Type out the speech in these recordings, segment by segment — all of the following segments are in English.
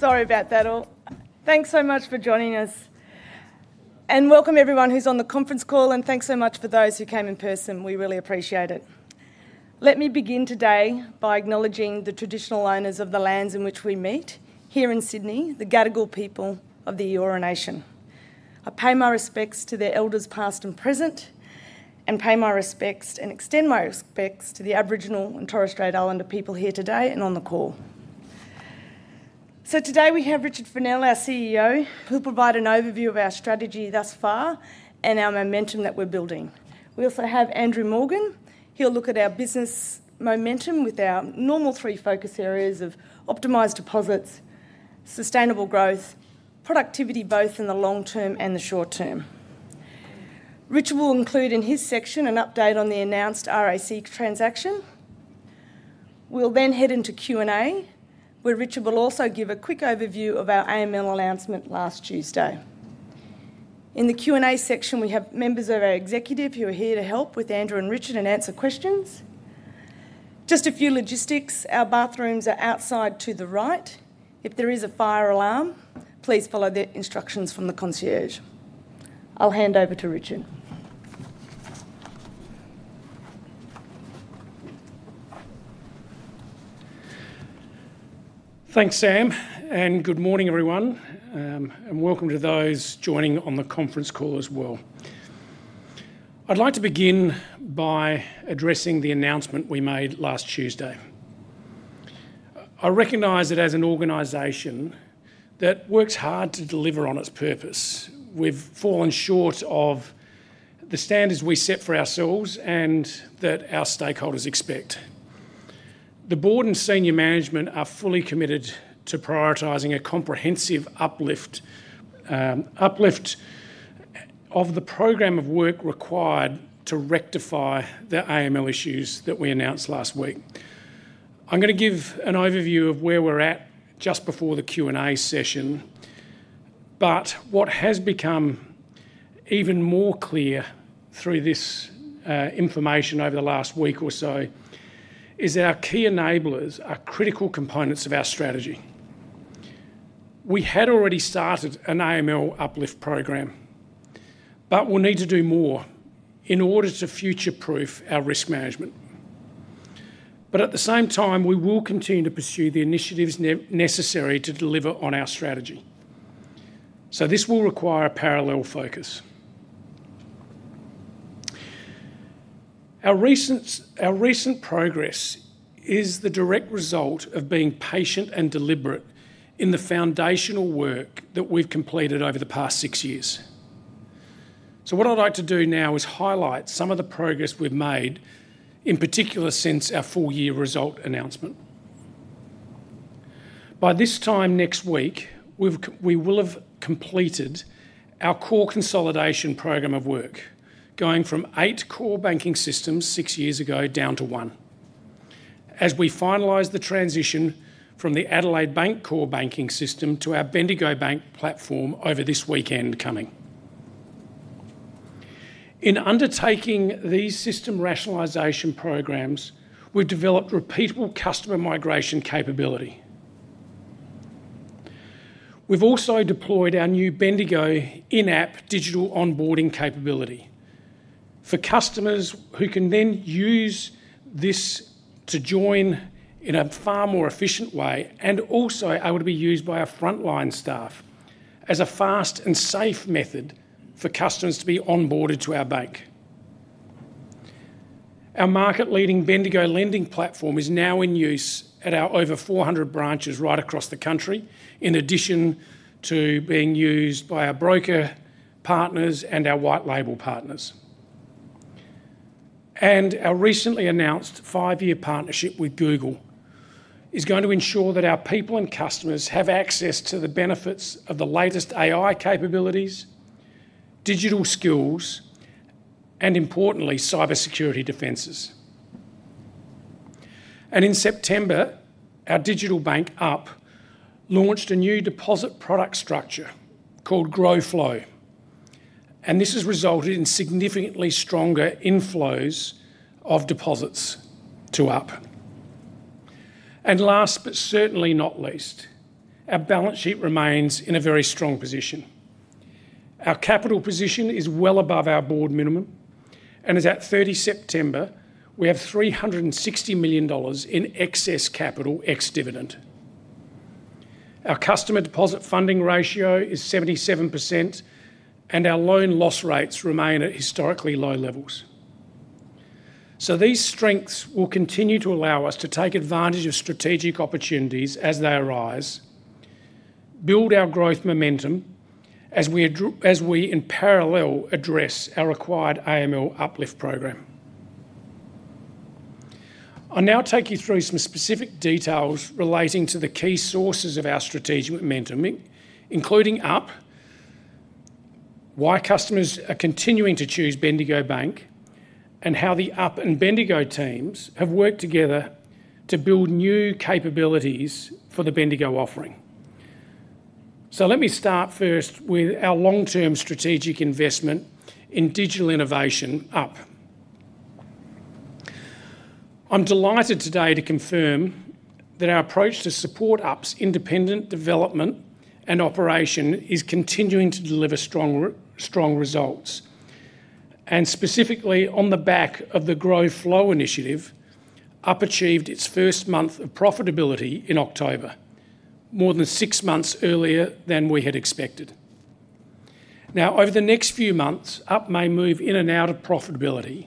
Sorry about that. Thanks so much for joining us and welcome, everyone who's on the conference call, and thanks so much for those who came in person. We really appreciate it. Let me begin today by acknowledging the traditional owners of the lands in which we meet here in Sydney, the Gadigal people of the Eora Nation. I pay my respects to their Elders past and present, and pay my respects and extend my respects to the Aboriginal and Torres Strait Islander people here today and on the call, so today we have Richard Fennell, our CEO, who'll provide an overview of our strategy thus far and our momentum that we're building. We also have Andrew Morgan. He'll look at our business momentum with our normal three focus areas of optimized deposits, sustainable growth, productivity both in the long term and the short term. Richard will include in his section an update on the announced RACQ transaction. We'll then head into Q&A, where Richard will also give a quick overview of our AML announcement last Tuesday. In the Q&A section, we have members of our executive who are here to help with Andrew and Richard and answer questions. Just a few logistics: our bathrooms are outside to the right. If there is a fire alarm, please follow the instructions from the concierge. I'll hand over to Richard. Thanks, Sam, and good morning, everyone, and welcome to those joining on the conference call as well. I'd like to begin by addressing the announcement we made last Tuesday. I recognize it as an organization that works hard to deliver on its purpose. We've fallen short of the standards we set for ourselves and that our stakeholders expect. The board and senior management are fully committed to prioritizing a comprehensive uplift of the program of work required to rectify the AML issues that we announced last week. I'm going to give an overview of where we're at just before the Q&A session, but what has become even more clear through this information over the last week or so is our key enablers are critical components of our strategy. We had already started an AML uplift program, but we'll need to do more in order to future-proof our risk management. But at the same time, we will continue to pursue the initiatives necessary to deliver on our strategy. So this will require a parallel focus. Our recent progress is the direct result of being patient and deliberate in the foundational work that we've completed over the past six years. So what I'd like to do now is highlight some of the progress we've made, in particular since our full-year result announcement. By this time next week, we will have completed our core consolidation program of work, going from eight core banking systems six years ago down to one, as we finalize the transition from the Adelaide Bank core banking system to our Bendigo Bank platform over this weekend coming. In undertaking these system rationalization programs, we've developed repeatable customer migration capability. We've also deployed our new Bendigo in-app digital onboarding capability for customers who can then use this to join in a far more efficient way and also able to be used by our frontline staff as a fast and safe method for customers to be onboarded to our bank. Our market-leading Bendigo lending platform is now in use at our over 400 branches right across the country, in addition to being used by our broker partners and our white label partners and in September, our digital bank, Up, launched a new deposit product structure called Grow & Flow, and this has resulted in significantly stronger inflows of deposits to Up. And last but certainly not least, our balance sheet remains in a very strong position. Our capital position is well above our board minimum, and as at 30 September, we have 360 million dollars in excess capital ex-dividend. Our customer deposit funding ratio is 77%, and our loan loss rates remain at historically low levels. So these strengths will continue to allow us to take advantage of strategic opportunities as they arise, build our growth momentum as we, in parallel, address our required AML uplift program. I'll now take you through some specific details relating to the key sources of our strategic momentum, including Up, why customers are continuing to choose Bendigo Bank, and how the Up and Bendigo teams have worked together to build new capabilities for the Bendigo offering. So let me start first with our long-term strategic investment in digital innovation, Up. I'm delighted today to confirm that our approach to support Up's independent development and operation is continuing to deliver strong results. And specifically, on the back of the Grow & Flow initiative, Up achieved its first month of profitability in October, more than six months earlier than we had expected. Now, over the next few months, Up may move in and out of profitability,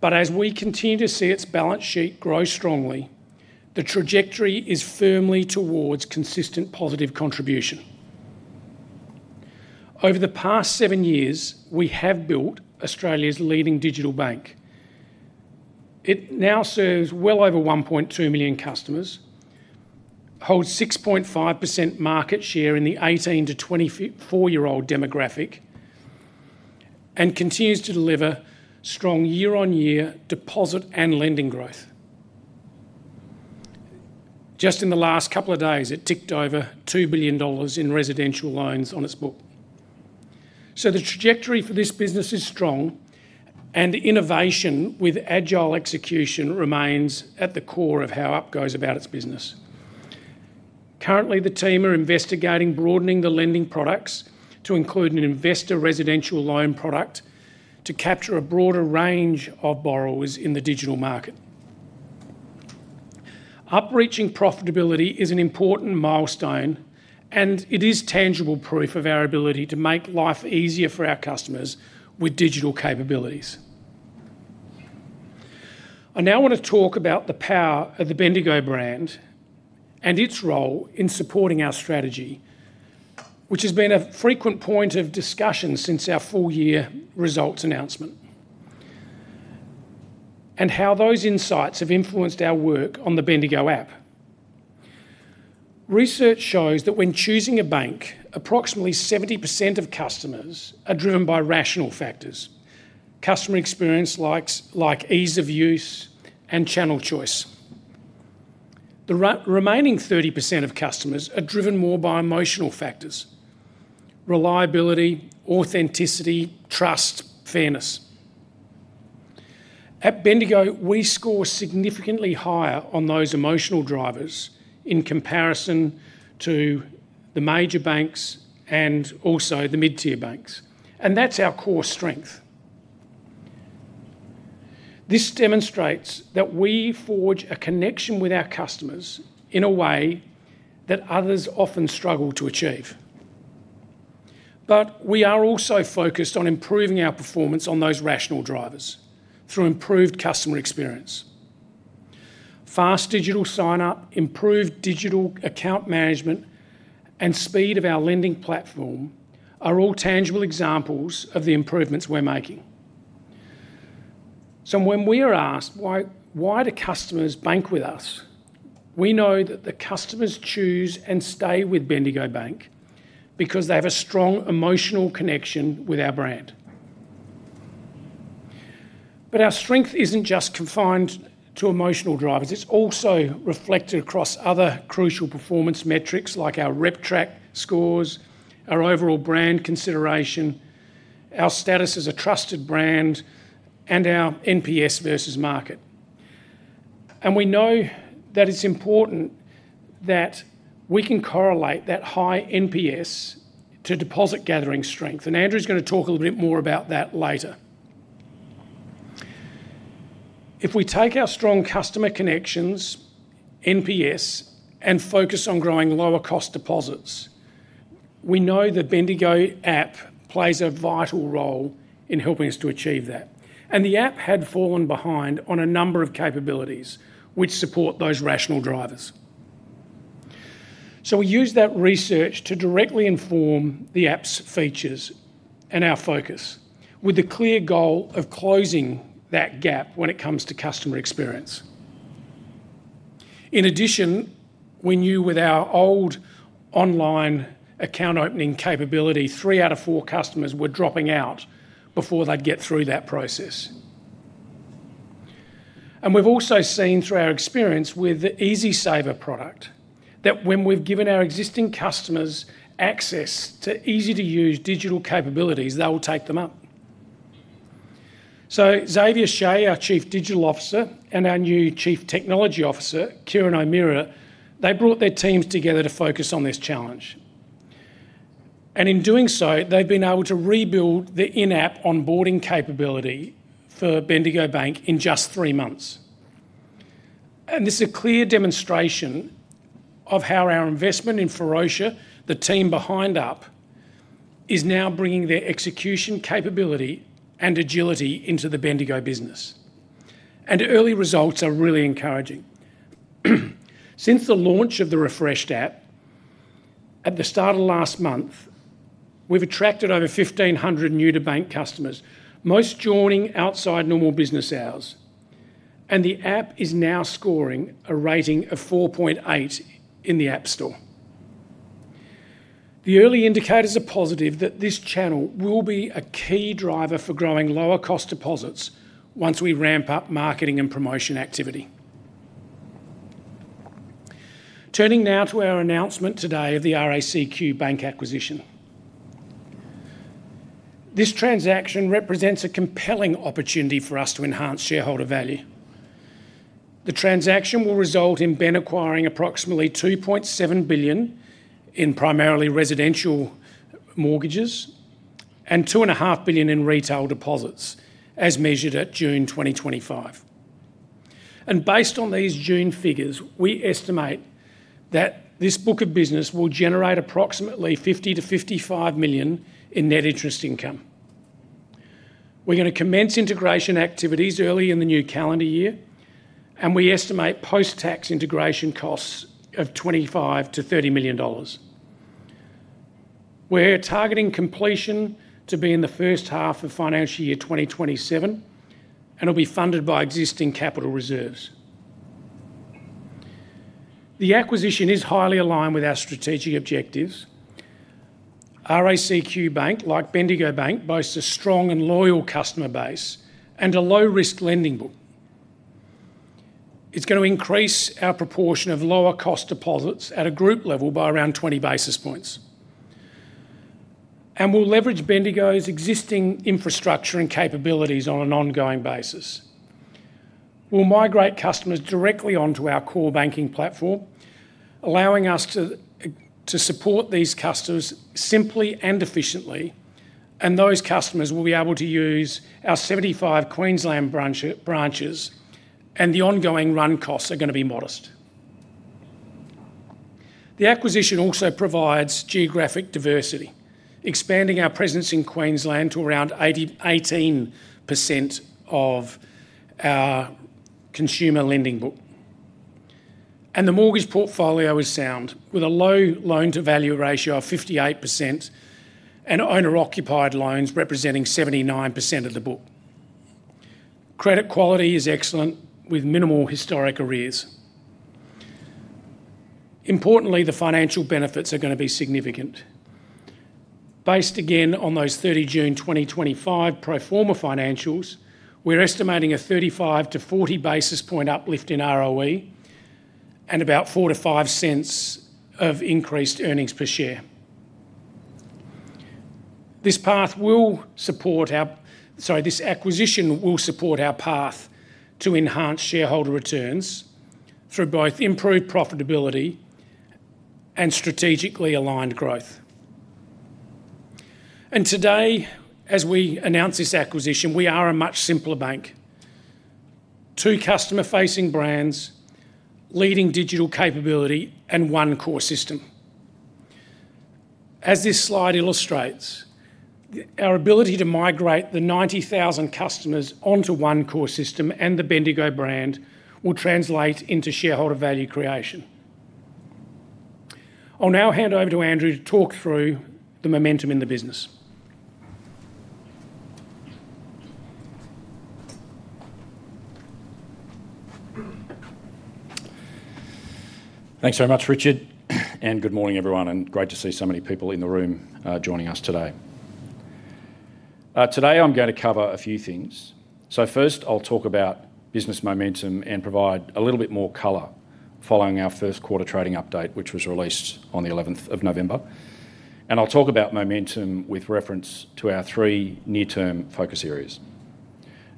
but as we continue to see its balance sheet grow strongly, the trajectory is firmly towards consistent positive contribution. Over the past seven years, we have built Australia's leading digital bank. It now serves well over 1.2 million customers, holds 6.5% market share in the 18- to 24-year-old demographic, and continues to deliver strong year-on-year deposit and lending growth. Just in the last couple of days, it ticked over 2 billion dollars in residential loans on its book. So the trajectory for this business is strong, and innovation with agile execution remains at the core of how Up goes about its business. Currently, the team are investigating broadening the lending products to include an investor residential loan product to capture a broader range of borrowers in the digital market. Up reaching profitability is an important milestone, and it is tangible proof of our ability to make life easier for our customers with digital capabilities. I now want to talk about the power of the Bendigo brand and its role in supporting our strategy, which has been a frequent point of discussion since our full-year results announcement, and how those insights have influenced our work on the Bendigo app. Research shows that when choosing a bank, approximately 70% of customers are driven by rational factors: customer experience like ease of use and channel choice. The remaining 30% of customers are driven more by emotional factors: reliability, authenticity, trust, fairness. At Bendigo, we score significantly higher on those emotional drivers in comparison to the major banks and also the mid-tier banks, and that's our core strength. This demonstrates that we forge a connection with our customers in a way that others often struggle to achieve. But we are also focused on improving our performance on those rational drivers through improved customer experience. Fast digital sign-up, improved digital account management, and speed of our lending platform are all tangible examples of the improvements we're making. So when we are asked, "Why do customers bank with us?" we know that the customers choose and stay with Bendigo Bank because they have a strong emotional connection with our brand. But our strength isn't just confined to emotional drivers. It's also reflected across other crucial performance metrics like our RepTrak scores, our overall brand consideration, our status as a trusted brand, and our NPS versus market. And we know that it's important that we can correlate that high NPS to deposit gathering strength, and Andrew's going to talk a little bit more about that later. If we take our strong customer connections, NPS, and focus on growing lower-cost deposits, we know the Bendigo app plays a vital role in helping us to achieve that. And the app had fallen behind on a number of capabilities which support those rational drivers. So we use that research to directly inform the app's features and our focus, with the clear goal of closing that gap when it comes to customer experience. In addition, we knew with our old online account opening capability, three out of four customers were dropping out before they'd get through that process. And we've also seen through our experience with the EasySaver product that when we've given our existing customers access to easy-to-use digital capabilities, they will take them up. So Xavier Shay, our Chief Digital Officer, and our new Chief Technology Officer, Kieran O'Meara, they brought their teams together to focus on this challenge. And in doing so, they've been able to rebuild the in-app onboarding capability for Bendigo Bank in just three months. And this is a clear demonstration of how our investment in Ferocia, the team behind Up, is now bringing their execution capability and agility into the Bendigo business. And early results are really encouraging. Since the launch of the refreshed app, at the start of last month, we've attracted over 1,500 new-to-bank customers, most joining outside normal business hours. The app is now scoring a rating of 4.8 in the App Store. The early indicators are positive that this channel will be a key driver for growing lower-cost deposits once we ramp up marketing and promotion activity. Turning now to our announcement today of the RACQ Bank acquisition. This transaction represents a compelling opportunity for us to enhance shareholder value. The transaction will result in BEN acquiring approximately 2.7 billion in primarily residential mortgages and 2.5 billion in retail deposits, as measured at June 2025. Based on these June figures, we estimate that this book of business will generate approximately 50 million-55 million in net interest income. We're going to commence integration activities early in the new calendar year, and we estimate post-tax integration costs of 25 million-30 million dollars. We're targeting completion to be in the first half of financial year 2027, and it'll be funded by existing capital reserves. The acquisition is highly aligned with our strategic objectives. RACQ Bank, like Bendigo Bank, boasts a strong and loyal customer base and a low-risk lending book. It's going to increase our proportion of lower-cost deposits at a group level by around 20 basis points. And we'll leverage Bendigo's existing infrastructure and capabilities on an ongoing basis. We'll migrate customers directly onto our core banking platform, allowing us to support these customers simply and efficiently, and those customers will be able to use our 75 Queensland branches, and the ongoing run costs are going to be modest. The acquisition also provides geographic diversity, expanding our presence in Queensland to around 18% of our consumer lending book. The mortgage portfolio is sound, with a low loan-to-value ratio of 58% and owner-occupied loans representing 79% of the book. Credit quality is excellent, with minimal historic arrears. Importantly, the financial benefits are going to be significant. Based again on those 30 June 2025 pro forma financials, we're estimating a 35-40 basis point uplift in ROE and about 0.04-0.05 of increased earnings per share. This path will support our, sorry, this acquisition will support our path to enhance shareholder returns through both improved profitability and strategically aligned growth. And today, as we announce this acquisition, we are a much simpler bank: two customer-facing brands, leading digital capability, and one core system. As this slide illustrates, our ability to migrate the 90,000 customers onto one core system and the Bendigo brand will translate into shareholder value creation. I'll now hand over to Andrew to talk through the momentum in the business. Thanks very much, Richard, and good morning, everyone, and great to see so many people in the room joining us today. Today, I'm going to cover a few things, so first, I'll talk about business momentum and provide a little bit more color following our first quarter trading update, which was released on the 11th of November, and I'll talk about momentum with reference to our three near-term focus areas,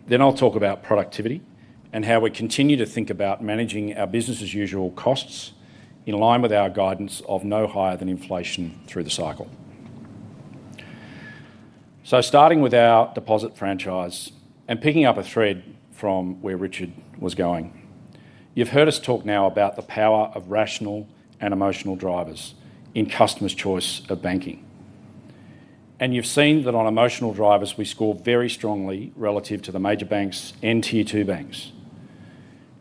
then I'll talk about productivity and how we continue to think about managing our business-as-usual costs in line with our guidance of no higher than inflation through the cycle. So starting with our deposit franchise and picking up a thread from where Richard was going, you've heard us talk now about the power of rational and emotional drivers in customer's choice of banking. And you've seen that on emotional drivers, we score very strongly relative to the major banks and tier two banks.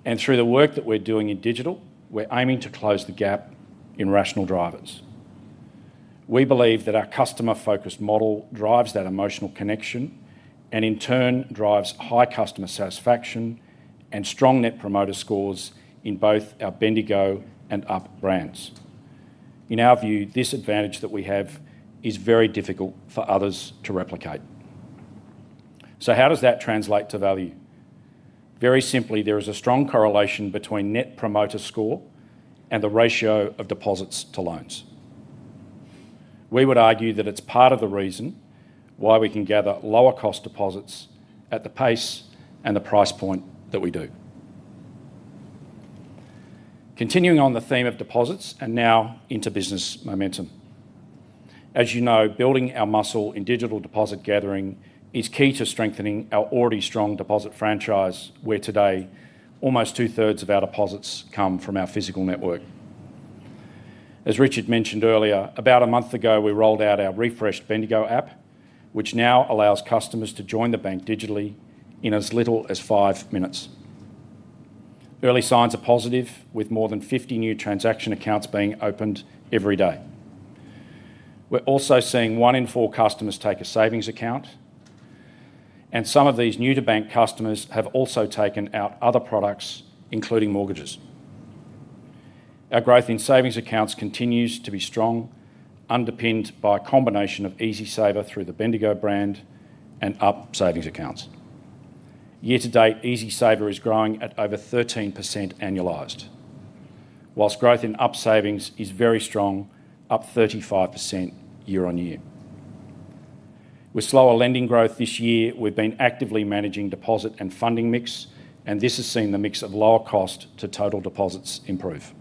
And through the work that we're doing in digital, we're aiming to close the gap in rational drivers. We believe that our customer-focused model drives that emotional connection and, in turn, drives high customer satisfaction and strong Net Promoter Scores in both our Bendigo and Up brands. In our view, this advantage that we have is very difficult for others to replicate. So how does that translate to value? Very simply, there is a strong correlation between Net Promoter Score and the ratio of deposits to loans. We would argue that it's part of the reason why we can gather lower-cost deposits at the pace and the price point that we do. Continuing on the theme of deposits and now into business momentum. As you know, building our muscle in digital deposit gathering is key to strengthening our already strong deposit franchise, where today almost two-thirds of our deposits come from our physical network. As Richard mentioned earlier, about a month ago, we rolled out our refreshed Bendigo app, which now allows customers to join the bank digitally in as little as five minutes. Early signs are positive, with more than 50 new transaction accounts being opened every day. We're also seeing one in four customers take a savings account, and some of these new-to-bank customers have also taken out other products, including mortgages. Our growth in savings accounts continues to be strong, underpinned by a combination of EasySaver through the Bendigo brand and Up savings accounts. Year-to-date, EasySaver is growing at over 13% annualized, while growth in Up savings is very strong, up 35% year-on-year. With slower lending growth this year, we've been actively managing deposit and funding mix, and this has seen the mix of lower cost to total deposits improve.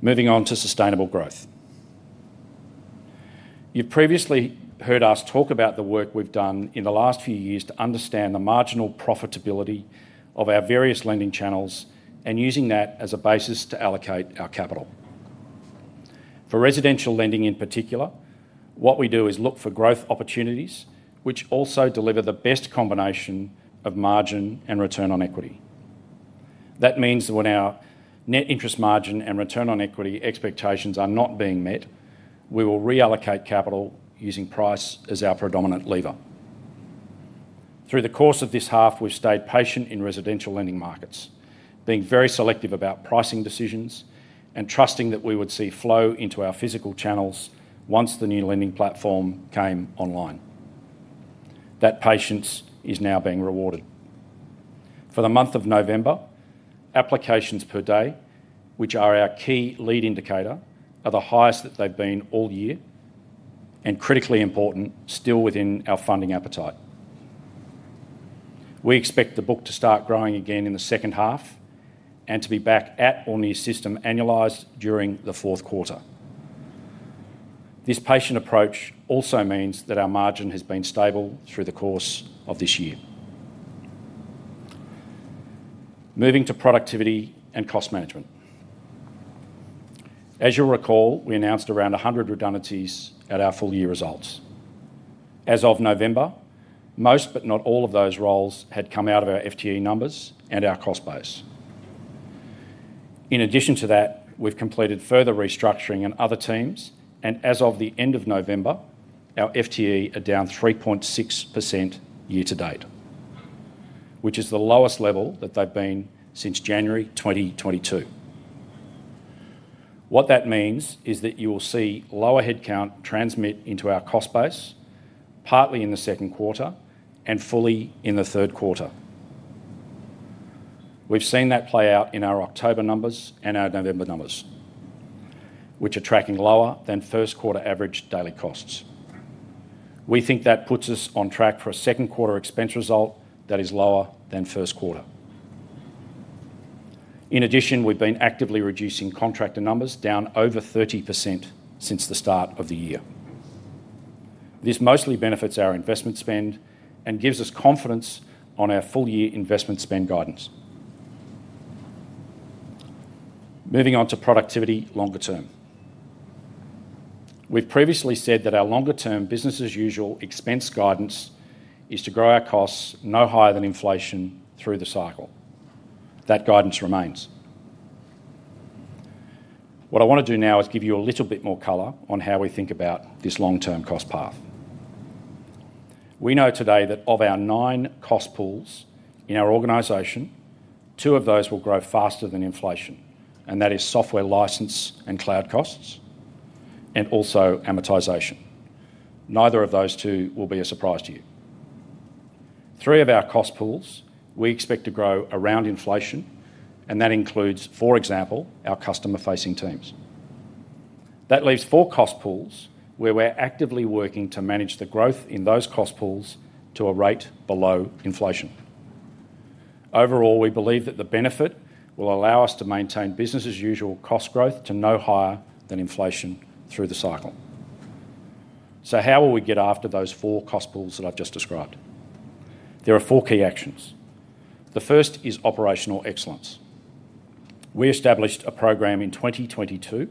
Moving on to sustainable growth. You've previously heard us talk about the work we've done in the last few years to understand the marginal profitability of our various lending channels and using that as a basis to allocate our capital. For residential lending in particular, what we do is look for growth opportunities, which also deliver the best combination of margin and return on equity. That means that when our net interest margin and return on equity expectations are not being met, we will reallocate capital using price as our predominant lever. Through the course of this half, we've stayed patient in residential lending markets, being very selective about pricing decisions and trusting that we would see flow into our physical channels once the new lending platform came online. That patience is now being rewarded. For the month of November, applications per day, which are our key lead indicator, are the highest that they've been all year and critically important, still within our funding appetite. We expect the book to start growing again in the second half and to be back at or near system annualized during the fourth quarter. This patient approach also means that our margin has been stable through the course of this year. Moving to productivity and cost management. As you'll recall, we announced around 100 redundancies at our full-year results. As of November, most but not all of those roles had come out of our FTE numbers and our cost base. In addition to that, we've completed further restructuring in other teams, and as of the end of November, our FTE are down 3.6% year-to-date, which is the lowest level that they've been since January 2022. What that means is that you will see lower headcount transmit into our cost base, partly in the second quarter and fully in the third quarter. We've seen that play out in our October numbers and our November numbers, which are tracking lower than first-quarter average daily costs. We think that puts us on track for a second-quarter expense result that is lower than first quarter. In addition, we've been actively reducing contractor numbers down over 30% since the start of the year. This mostly benefits our investment spend and gives us confidence on our full-year investment spend guidance. Moving on to productivity longer term. We've previously said that our longer-term business-as-usual expense guidance is to grow our costs no higher than inflation through the cycle. That guidance remains. What I want to do now is give you a little bit more color on how we think about this long-term cost path. We know today that of our nine cost pools in our organization, two of those will grow faster than inflation, and that is software license and cloud costs, and also amortization. Neither of those two will be a surprise to you. Three of our cost pools we expect to grow around inflation, and that includes, for example, our customer-facing teams. That leaves four cost pools where we're actively working to manage the growth in those cost pools to a rate below inflation. Overall, we believe that the benefit will allow us to maintain business-as-usual cost growth to no higher than inflation through the cycle. So how will we get after those four cost pools that I've just described? There are four key actions. The first is operational excellence. We established a program in 2022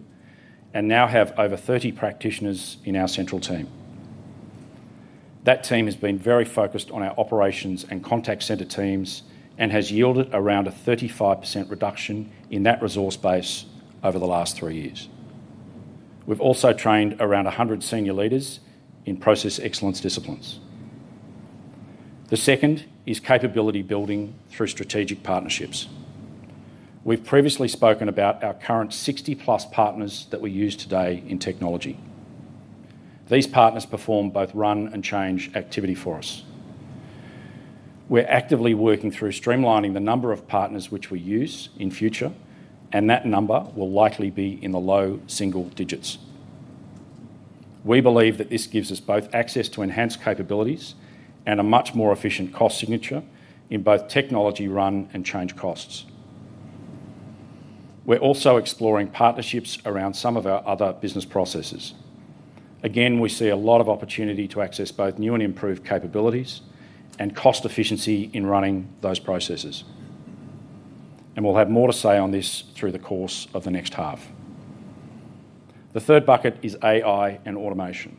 and now have over 30 practitioners in our central team. That team has been very focused on our operations and contact center teams and has yielded around a 35% reduction in that resource base over the last three years. We've also trained around 100 senior leaders in process excellence disciplines. The second is capability building through strategic partnerships. We've previously spoken about our current 60-plus partners that we use today in technology. These partners perform both run and change activity for us. We're actively working through streamlining the number of partners which we use in future, and that number will likely be in the low single digits. We believe that this gives us both access to enhanced capabilities and a much more efficient cost signature in both technology run and change costs. We're also exploring partnerships around some of our other business processes. Again, we see a lot of opportunity to access both new and improved capabilities and cost efficiency in running those processes. We'll have more to say on this through the course of the next half. The third bucket is AI and automation.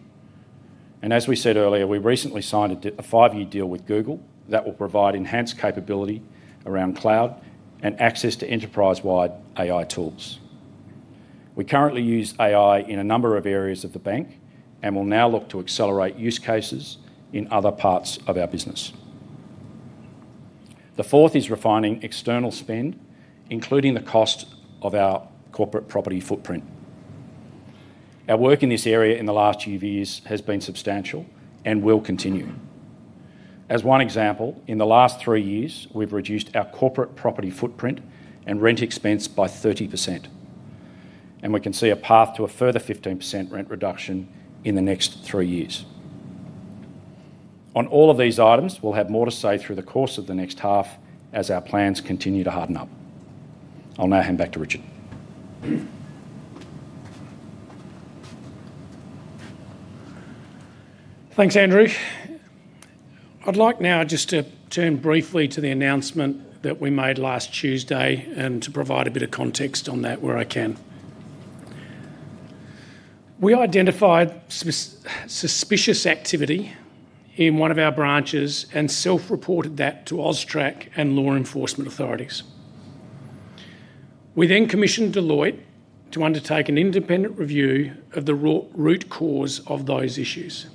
As we said earlier, we recently signed a five-year deal with Google that will provide enhanced capability around cloud and access to enterprise-wide AI tools. We currently use AI in a number of areas of the bank and will now look to accelerate use cases in other parts of our business. The fourth is refining external spend, including the cost of our corporate property footprint. Our work in this area in the last few years has been substantial and will continue. As one example, in the last three years, we've reduced our corporate property footprint and rent expense by 30%, and we can see a path to a further 15% rent reduction in the next three years. On all of these items, we'll have more to say through the course of the next half as our plans continue to harden up. I'll now hand back to Richard. Thanks, Andrew. I'd like now just to turn briefly to the announcement that we made last Tuesday and to provide a bit of context on that where I can. We identified suspicious activity in one of our branches and self-reported that to AUSTRAC and law enforcement authorities. We then commissioned Deloitte to undertake an independent review of the root cause of those issues.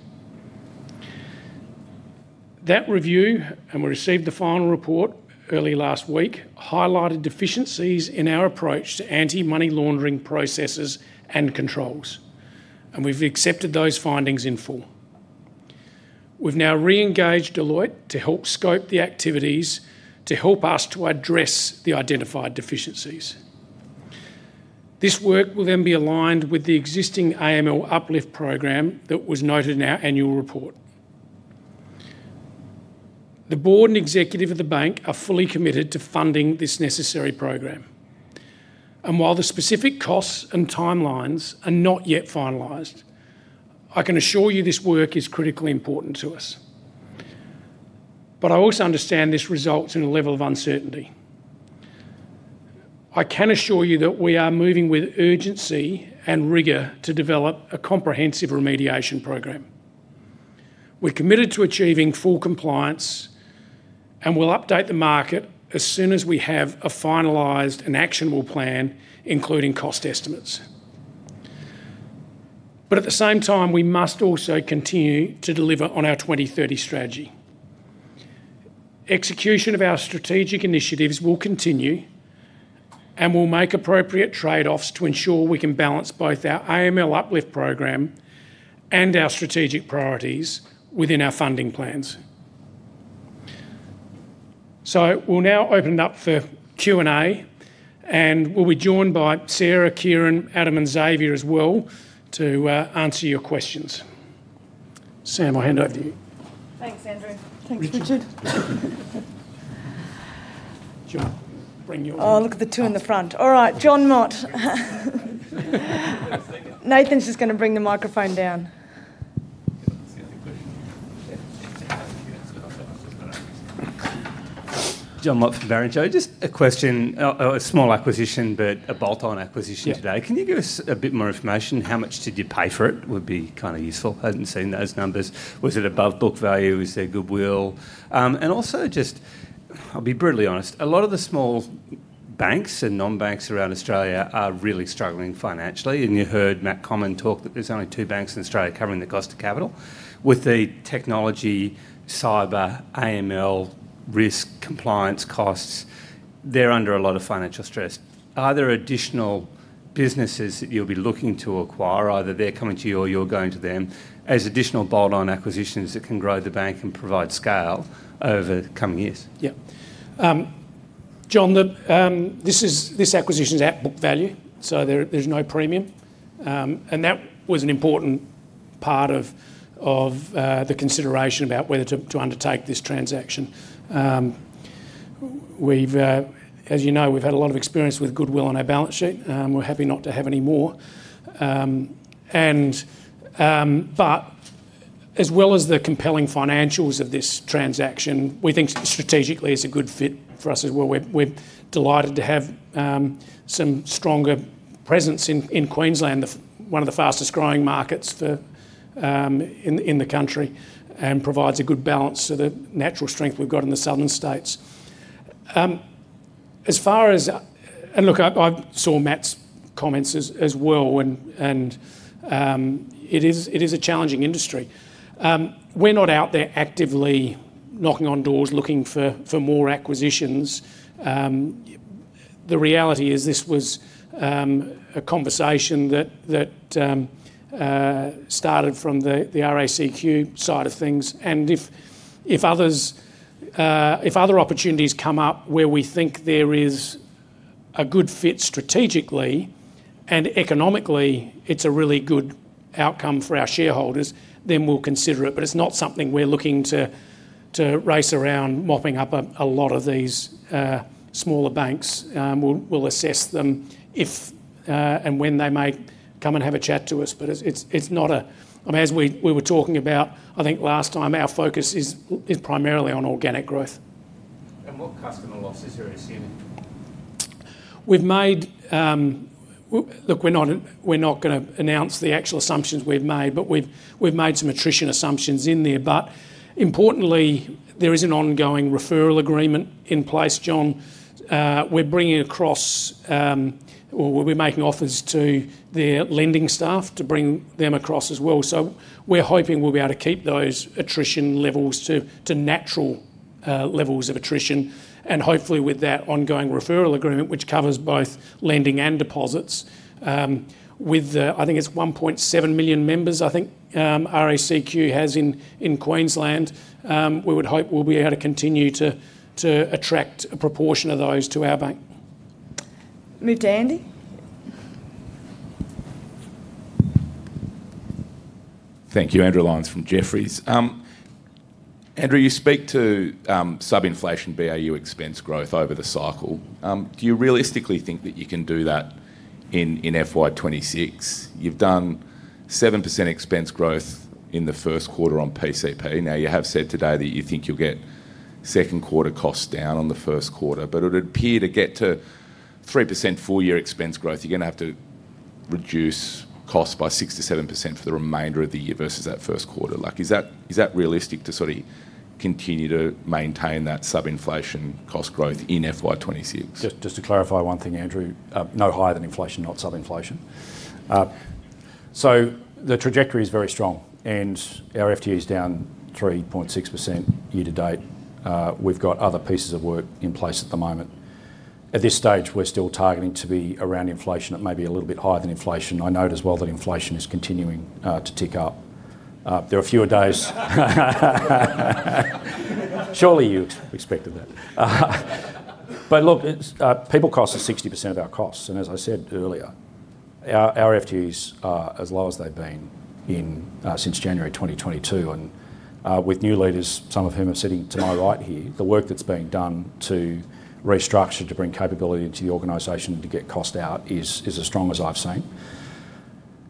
That review, and we received the final report early last week, highlighted deficiencies in our approach to anti-money laundering processes and controls. And we've accepted those findings in full. We've now re-engaged Deloitte to help scope the activities to help us to address the identified deficiencies. This work will then be aligned with the existing AML uplift program that was noted in our annual report. The board and executive of the bank are fully committed to funding this necessary program. While the specific costs and timelines are not yet finalized, I can assure you this work is critically important to us. I also understand this results in a level of uncertainty. I can assure you that we are moving with urgency and rigor to develop a comprehensive remediation program. We're committed to achieving full compliance and will update the market as soon as we have a finalized and actionable plan, including cost estimates. At the same time, we must also continue to deliver on our 2030 strategy. Execution of our strategic initiatives will continue and we'll make appropriate trade-offs to ensure we can balance both our AML uplift program and our strategic priorities within our funding plans. We'll now open it up for Q&A, and we'll be joined by Sarah, Kieran, Adam, and Xavier as well to answer your questions. Sam, I'll hand over to you. Thanks, Andrew. Thanks, Richard. Oh, look at the two in the front. All right, Jon Mott. Nathan's just going to bring the microphone down. Jon Mott from Barrenjoey. Just a question, a small acquisition, but a bolt-on acquisition today. Can you give us a bit more information? How much did you pay for it? Would be kind of useful. I hadn't seen those numbers. Was it above book value? Was there goodwill? And also just, I'll be brutally honest, a lot of the small banks and non-banks around Australia are really struggling financially. And you heard Matt Comyn talk that there's only two banks in Australia covering the cost of capital. With the technology, cyber, AML, risk, compliance costs, they're under a lot of financial stress. Are there additional businesses that you'll be looking to acquire? Either they're coming to you or you're going to them as additional bolt-on acquisitions that can grow the bank and provide scale over coming years? Yeah. John, this acquisition's at book value, so there's no premium. And that was an important part of the consideration about whether to undertake this transaction. As you know, we've had a lot of experience with goodwill on our balance sheet. We're happy not to have any more. But as well as the compelling financials of this transaction, we think strategically it's a good fit for us as well. We're delighted to have some stronger presence in Queensland, one of the fastest-growing markets in the country, and provides a good balance to the natural strength we've got in the southern states. And look, I saw Matt's comments as well, and it is a challenging industry. We're not out there actively knocking on doors looking for more acquisitions. The reality is this was a conversation that started from the RACQ side of things. And if other opportunities come up where we think there is a good fit strategically and economically, it's a really good outcome for our shareholders, then we'll consider it. But it's not something we're looking to race around mopping up a lot of these smaller banks. We'll assess them and when they may come and have a chat to us. But it's not a-I mean, as we were talking about, I think last time, our focus is primarily on organic growth. What customer losses are you seeing? Look, we're not going to announce the actual assumptions we've made, but we've made some attrition assumptions in there. But importantly, there is an ongoing referral agreement in place, John. We're bringing across, we're making offers to the lending staff to bring them across as well. So we're hoping we'll be able to keep those attrition levels to natural levels of attrition. And hopefully, with that ongoing referral agreement, which covers both lending and deposits, with the, I think it's 1.7 million members, I think RACQ has in Queensland. We would hope we'll be able to continue to attract a proportion of those to our bank. Move to Andrew. Thank you. Andrew Lyons from Jefferies. Andrew, you speak to sub-inflation BAU expense growth over the cycle. Do you realistically think that you can do that in FY26? You've done 7% expense growth in the first quarter on PCP. Now, you have said today that you think you'll get second-quarter costs down on the first quarter. But it would appear to get to 3% full-year expense growth. You're going to have to reduce costs by 6%-7% for the remainder of the year versus that first quarter. Is that realistic to sort of continue to maintain that sub-inflation cost growth in FY26? Just to clarify one thing, Andrew, no higher than inflation, not sub-inflation. So the trajectory is very strong, and our FTE is down 3.6% year-to-date. We've got other pieces of work in place at the moment. At this stage, we're still targeting to be around inflation at maybe a little bit higher than inflation. I note as well that inflation is continuing to tick up. There are fewer days. Surely you expected that. But look, people cost are 60% of our costs. And as I said earlier, our FTEs are as low as they've been since January 2022. And with new leaders, some of whom are sitting to my right here, the work that's being done to restructure, to bring capability into the organization, to get cost out is as strong as I've seen.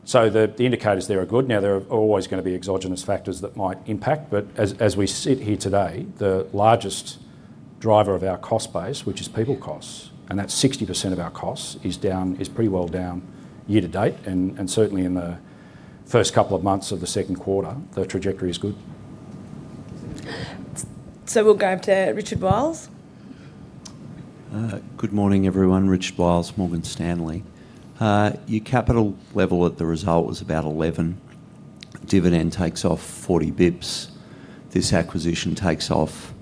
So the indicators there are good. Now, there are always going to be exogenous factors that might impact. But as we sit here today, the largest driver of our cost base, which is people costs, and that's 60% of our costs, is pretty well down year to date. And certainly, in the first couple of months of the second quarter, the trajectory is good. So we'll go over to Richard Wiles. Good morning, everyone. Richard Wiles, Morgan Stanley. Your capital level at the result was about 11. Dividend takes off 40 basis points. This acquisition takes off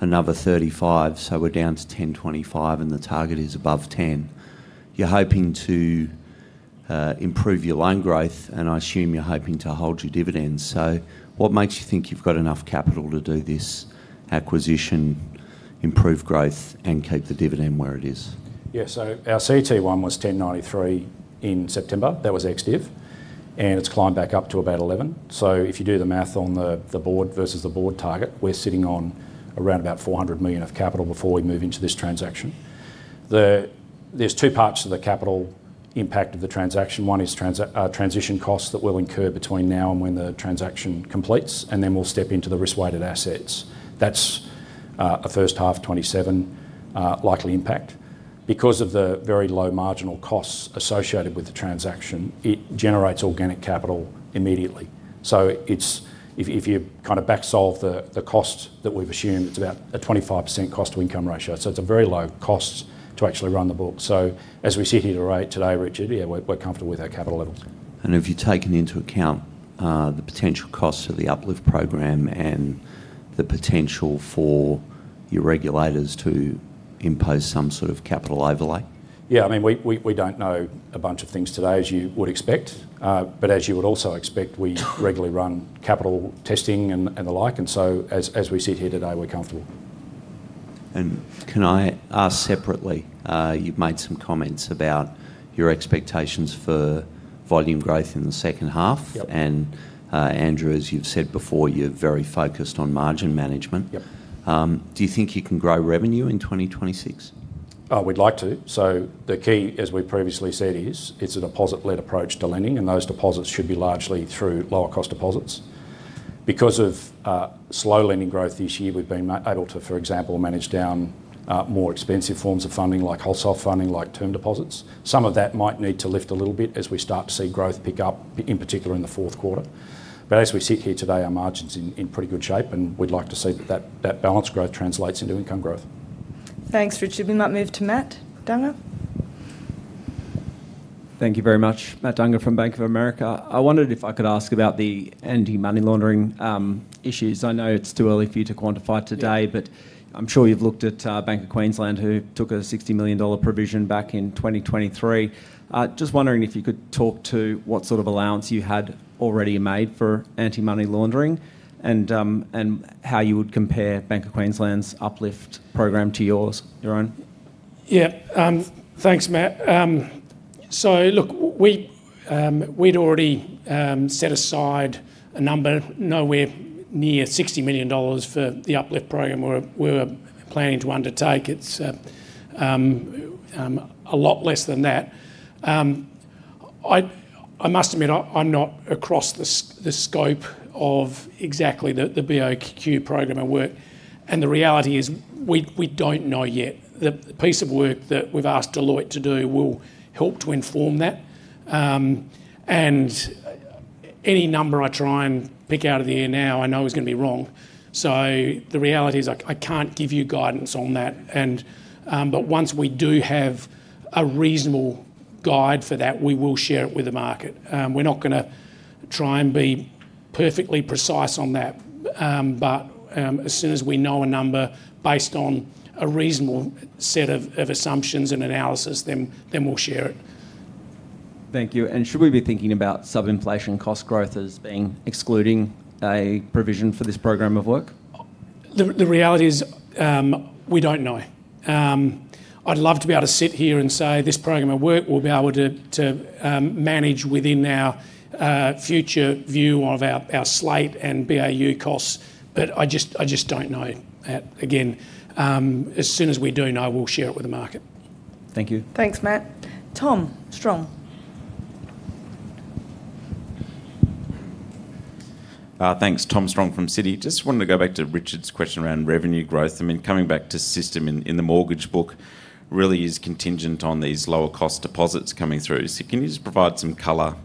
another 35, so we're down to 10.25, and the target is above 10. You're hoping to improve your loan growth, and I assume you're hoping to hold your dividends. So what makes you think you've got enough capital to do this acquisition, improve growth, and keep the dividend where it is? Yeah. So our CET1 was 10.93 in September. That was ex-div, and it's climbed back up to about 11. So if you do the math on the board versus the board target, we're sitting on around about 400 million of capital before we move into this transaction. There's two parts to the capital impact of the transaction. One is transition costs that we'll incur between now and when the transaction completes, and then we'll step into the risk-weighted assets. That's a first half 2027 likely impact. Because of the very low marginal costs associated with the transaction, it generates organic capital immediately. So if you kind of backsolve the cost that we've assumed, it's about a 25% cost-to-income ratio. So it's a very low cost to actually run the book. So as we sit here today, Richard, yeah, we're comfortable with our capital level. Have you taken into account the potential costs of the uplift program and the potential for your regulators to impose some sort of capital overlay? Yeah. I mean, we don't know a bunch of things today, as you would expect. But as you would also expect, we regularly run capital testing and the like, and so as we sit here today, we're comfortable. Can I ask separately? You've made some comments about your expectations for volume growth in the second half. Andrew, as you've said before, you're very focused on margin management. Do you think you can grow revenue in 2026? We'd like to. So the key, as we previously said, is it's a deposit-led approach to lending, and those deposits should be largely through lower-cost deposits. Because of slow lending growth this year, we've been able to, for example, manage down more expensive forms of funding like wholesale funding, like term deposits. Some of that might need to lift a little bit as we start to see growth pick up, in particular in the fourth quarter. But as we sit here today, our margin's in pretty good shape, and we'd like to see that that balance growth translates into income growth. Thanks, Richard. We might move to Matt Dunger. Thank you very much. Matt Dunger from Bank of America. I wondered if I could ask about the anti-money laundering issues. I know it's too early for you to quantify today, but I'm sure you've looked at Bank of Queensland, who took a 60 million dollar provision back in 2023. Just wondering if you could talk to what sort of allowance you had already made for anti-money laundering and how you would compare Bank of Queensland's uplift program to yours, your own. Yeah. Thanks, Matt. So look, we'd already set aside a number nowhere near 60 million dollars for the uplift program we were planning to undertake. It's a lot less than that. I must admit, I'm not across the scope of exactly the BAU program at work, and the reality is we don't know yet. The piece of work that we've asked Deloitte to do will help to inform that, and any number I try and pick out of the air now, I know is going to be wrong, so the reality is I can't give you guidance on that, but once we do have a reasonable guide for that, we will share it with the market. We're not going to try and be perfectly precise on that, but as soon as we know a number based on a reasonable set of assumptions and analysis, then we'll share it. Thank you. And should we be thinking about sub-inflation cost growth as being excluding a provision for this program of work? The reality is we don't know. I'd love to be able to sit here and say this program of work we'll be able to manage within our future view of our slate and BAU costs. But I just don't know. Again, as soon as we do know, we'll share it with the market. Thank you. Thanks, Matt. Tom Strong. Thanks, Tom Strong from Citi. Just wanted to go back to Richard's question around revenue growth. I mean, coming back to system in the mortgage book really is contingent on these lower-cost deposits coming through. So can you just provide some color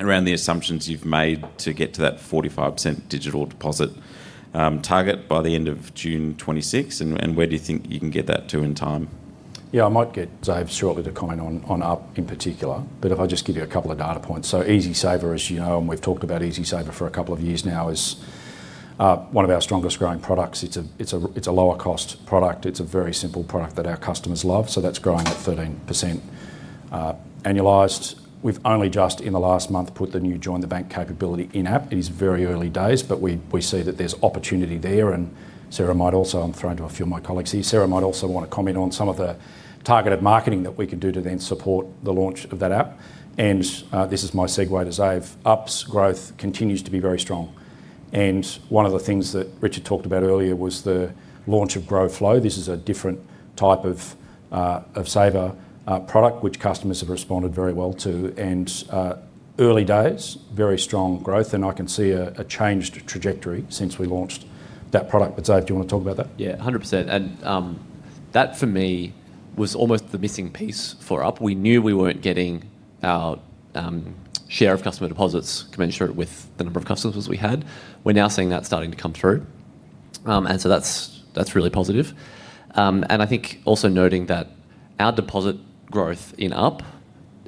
around the assumptions you've made to get to that 45% digital deposit target by the end of June 2026? And where do you think you can get that to in time? Yeah. I might get Xavier in shortly to comment on Up in particular, but if I just give you a couple of data points, so EasySaver, as you know, and we've talked about EasySaver for a couple of years now, is one of our strongest-growing products. It's a lower-cost product. It's a very simple product that our customers love. So that's growing at 13% annualized. We've only just, in the last month, put the new Join the Bank capability in-app. It is very early days, but we see that there's opportunity there. And Sarah might also, I'm throwing to a few of my colleagues here, Sarah might also want to comment on some of the targeted marketing that we can do to then support the launch of that app. And this is my segue to Xav. Up's growth continues to be very strong. One of the things that Richard talked about earlier was the launch of Grow & Flow. This is a different type of saver product, which customers have responded very well to. Early days, very strong growth. I can see a changed trajectory since we launched that product. But Xavier, do you want to talk about that? Yeah. 100%. And that, for me, was almost the missing piece for Up. We knew we weren't getting our share of customer deposits commensurate with the number of customers we had. We're now seeing that starting to come through. And so that's really positive. And I think also noting that our deposit growth in Up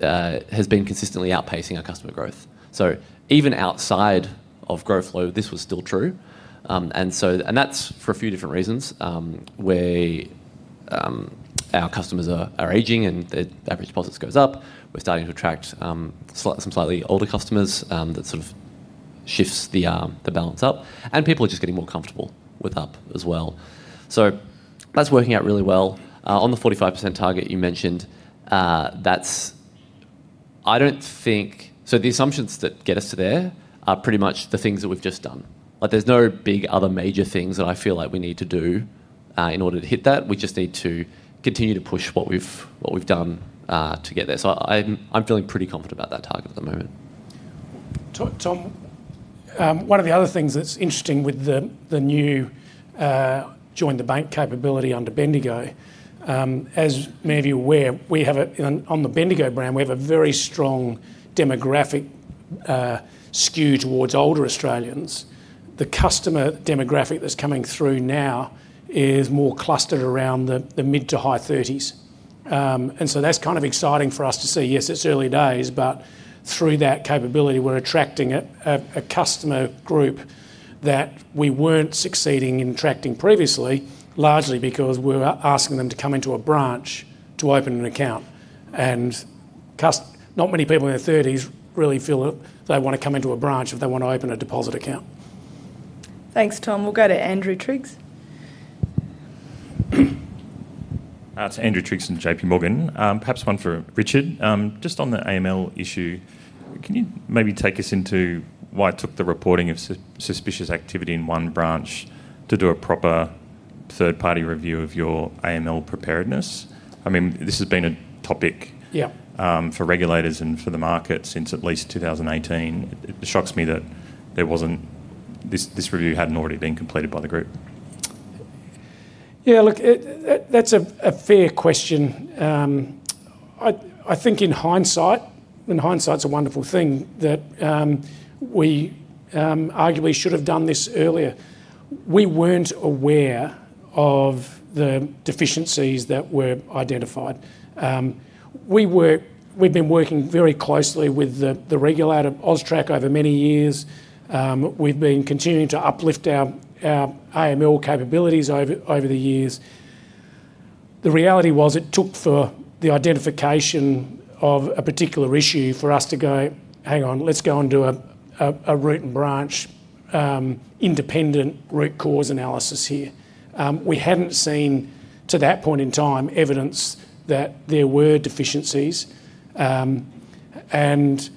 has been consistently outpacing our customer growth. So even outside of Grow & Flow, this was still true. And that's for a few different reasons. Our customers are aging, and the average deposits goes up. We're starting to attract some slightly older customers. That sort of shifts the balance up. And people are just getting more comfortable with Up as well. So that's working out really well. On the 45% target you mentioned, I don't think—so the assumptions that get us to there are pretty much the things that we've just done. There's no big other major things that I feel like we need to do in order to hit that. We just need to continue to push what we've done to get there, so I'm feeling pretty confident about that target at the moment. Tom, one of the other things that's interesting with the new Join the Bank capability under Bendigo, as many of you are aware, on the Bendigo brand, we have a very strong demographic skew towards older Australians. The customer demographic that's coming through now is more clustered around the mid to high 30s. And so that's kind of exciting for us to see. Yes, it's early days, but through that capability, we're attracting a customer group that we weren't succeeding in attracting previously, largely because we're asking them to come into a branch to open an account. And not many people in their 30s really feel that they want to come into a branch if they want to open a deposit account. Thanks, Tom. We'll go to Andrew Triggs. That's Andrew Triggs of JPMorgan. Perhaps one for Richard. Just on the AML issue, can you maybe take us into why it took the reporting of suspicious activity in one branch to do a proper third-party review of your AML preparedness? I mean, this has been a topic for regulators and for the market since at least 2018. It shocks me that this review hadn't already been completed by the group. Yeah. Look, that's a fair question. I think in hindsight, in hindsight, it's a wonderful thing that we arguably should have done this earlier. We weren't aware of the deficiencies that were identified. We've been working very closely with the regulator, AUSTRAC, over many years. We've been continuing to uplift our AML capabilities over the years. The reality was it took for the identification of a particular issue for us to go, "Hang on, let's go and do a root and branch independent root cause analysis here." We hadn't seen, to that point in time, evidence that there were deficiencies. And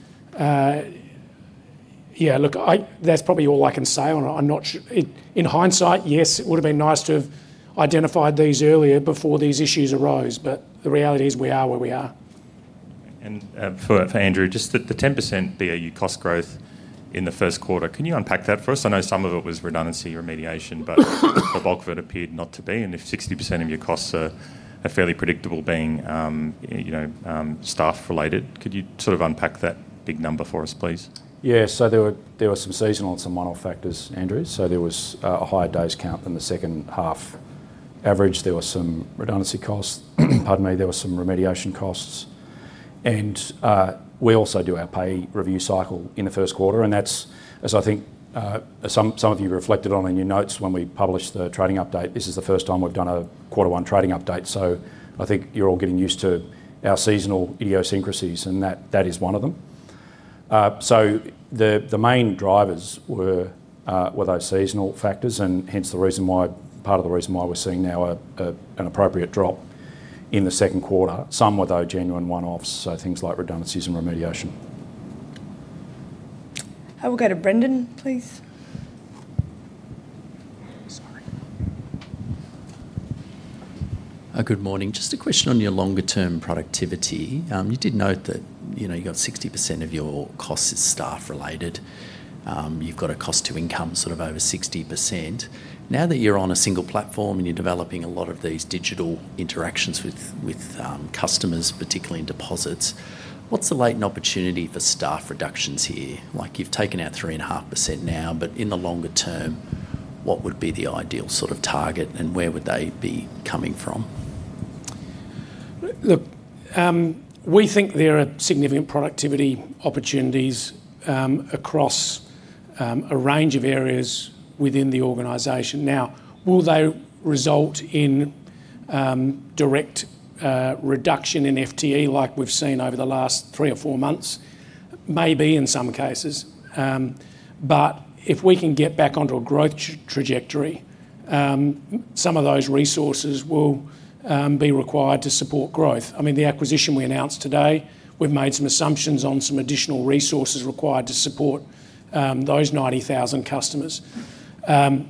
yeah, look, that's probably all I can say on it. In hindsight, yes, it would have been nice to have identified these earlier before these issues arose. But the reality is we are where we are. For Andrew, just the 10% BAU cost growth in the first quarter, can you unpack that for us? I know some of it was redundancy remediation, but the bulk of it appeared not to be. If 60% of your costs are fairly predictable being staff-related, could you sort of unpack that big number for us, please? Yeah. So there were some seasonal and some minor factors, Andrew. So there was a higher days count than the second half average. There were some redundancy costs. Pardon me, there were some remediation costs. And we also do our pay review cycle in the first quarter. And that's, as I think some of you reflected on in your notes when we published the trading update, this is the first time we've done a quarter one trading update. So I think you're all getting used to our seasonal idiosyncrasies, and that is one of them. So the main drivers were those seasonal factors, and hence the reason why part of the reason why we're seeing now an appropriate drop in the second quarter. Some were those genuine one-offs, so things like redundancies and remediation. I will go to Brendan, please. Good morning. Just a question on your longer-term productivity. You did note that you got 60% of your costs is staff-related. You've got a cost-to-income sort of over 60%. Now that you're on a single platform and you're developing a lot of these digital interactions with customers, particularly in deposits, what's the latent opportunity for staff reductions here? You've taken out 3.5% now, but in the longer term, what would be the ideal sort of target, and where would they be coming from? Look, we think there are significant productivity opportunities across a range of areas within the organization. Now, will they result in direct reduction in FTE like we've seen over the last three or four months? Maybe in some cases. But if we can get back onto a growth trajectory, some of those resources will be required to support growth. I mean, the acquisition we announced today, we've made some assumptions on some additional resources required to support those 90,000 customers. There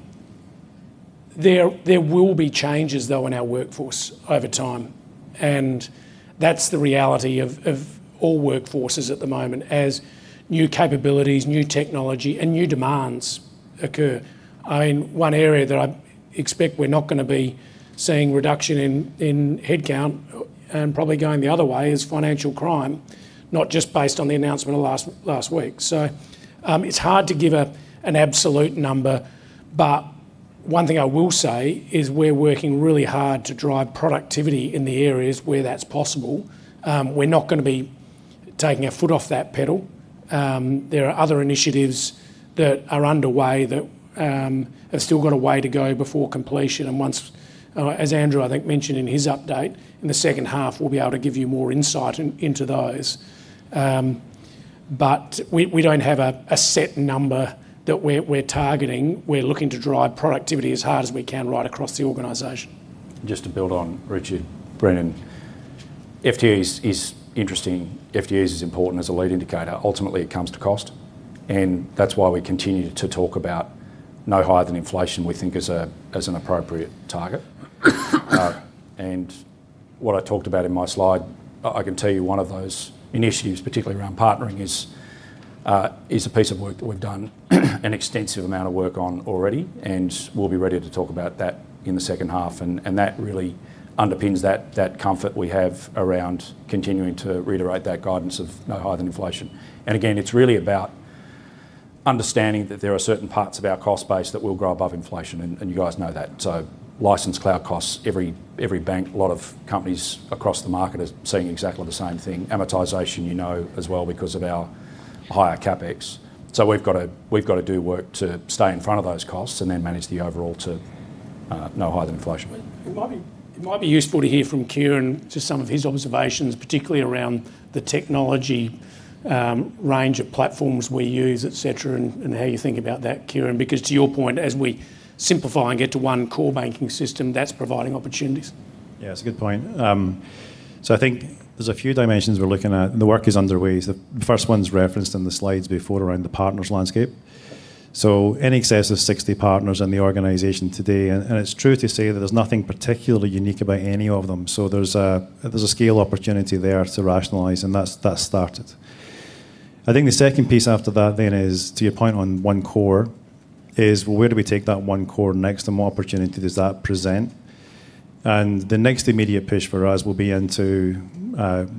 will be changes, though, in our workforce over time. And that's the reality of all workforces at the moment, as new capabilities, new technology, and new demands occur. I mean, one area that I expect we're not going to be seeing reduction in headcount and probably going the other way is financial crime, not just based on the announcement last week. So it's hard to give an absolute number. But one thing I will say is we're working really hard to drive productivity in the areas where that's possible. We're not going to be taking a foot off that pedal. There are other initiatives that are underway that have still got a way to go before completion. And once, as Andrew, I think, mentioned in his update, in the second half, we'll be able to give you more insight into those. But we don't have a set number that we're targeting. We're looking to drive productivity as hard as we can right across the organization. Just to build on Richard, Brendan. FTE is interesting. FTE is important as a lead indicator. Ultimately, it comes to cost. And that's why we continue to talk about no higher than inflation, we think, as an appropriate target. And what I talked about in my slide, I can tell you one of those initiatives, particularly around partnering, is a piece of work that we've done an extensive amount of work on already. And we'll be ready to talk about that in the second half. And that really underpins that comfort we have around continuing to reiterate that guidance of no higher than inflation. And again, it's really about understanding that there are certain parts of our cost base that will grow above inflation. And you guys know that. So licensed cloud costs, every bank, a lot of companies across the market are seeing exactly the same thing. Amortization, you know, as well because of our higher CapEx. So we've got to do work to stay in front of those costs and then manage the overall to no higher than inflation. It might be useful to hear from Kieran just some of his observations, particularly around the technology range of platforms we use, etc., and how you think about that, Kieran. Because to your point, as we simplify and get to one core banking system, that's providing opportunities. Yeah, that's a good point. So I think there's a few dimensions we're looking at, and the work is underway. The first one's referenced in the slides before around the partners landscape. So in excess of 60 partners in the organization today. And it's true to say that there's nothing particularly unique about any of them. So there's a scale opportunity there to rationalize, and that's started. I think the second piece after that then is, to your point on one core, is where do we take that one core next and what opportunity does that present? And the next immediate push for us will be into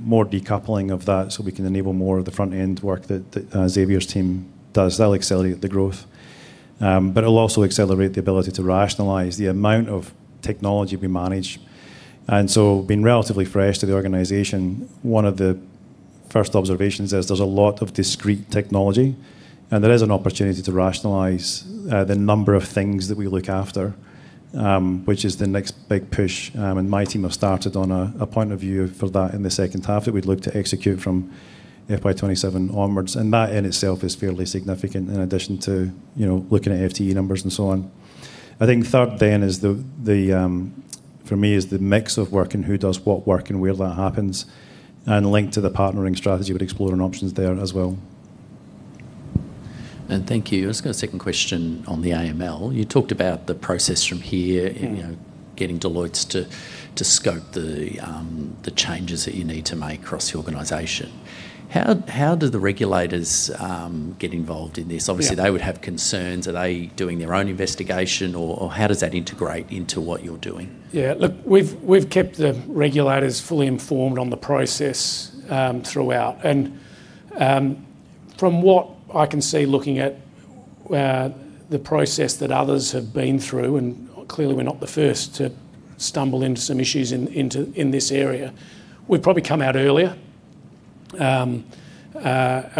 more decoupling of that so we can enable more of the front-end work that Xavier's team does. That'll accelerate the growth. But it'll also accelerate the ability to rationalize the amount of technology we manage. And so, being relatively fresh to the organization, one of the first observations is there's a lot of discrete technology. And there is an opportunity to rationalize the number of things that we look after, which is the next big push. And my team have started on a point of view for that in the second half that we'd look to execute from FY27 onwards. And that in itself is fairly significant in addition to looking at FTE numbers and so on. I think third then is, for me, is the mix of work and who does what work and where that happens. And linked to the partnering strategy, we'd explore options there as well. And thank you. I was going to second question on the AML. You talked about the process from here, getting Deloitte to scope the changes that you need to make across the organization. How do the regulators get involved in this? Obviously, they would have concerns. Are they doing their own investigation, or how does that integrate into what you're doing? Yeah. Look, we've kept the regulators fully informed on the process throughout, and from what I can see looking at the process that others have been through, and clearly we're not the first to stumble into some issues in this area, we've probably come out earlier, and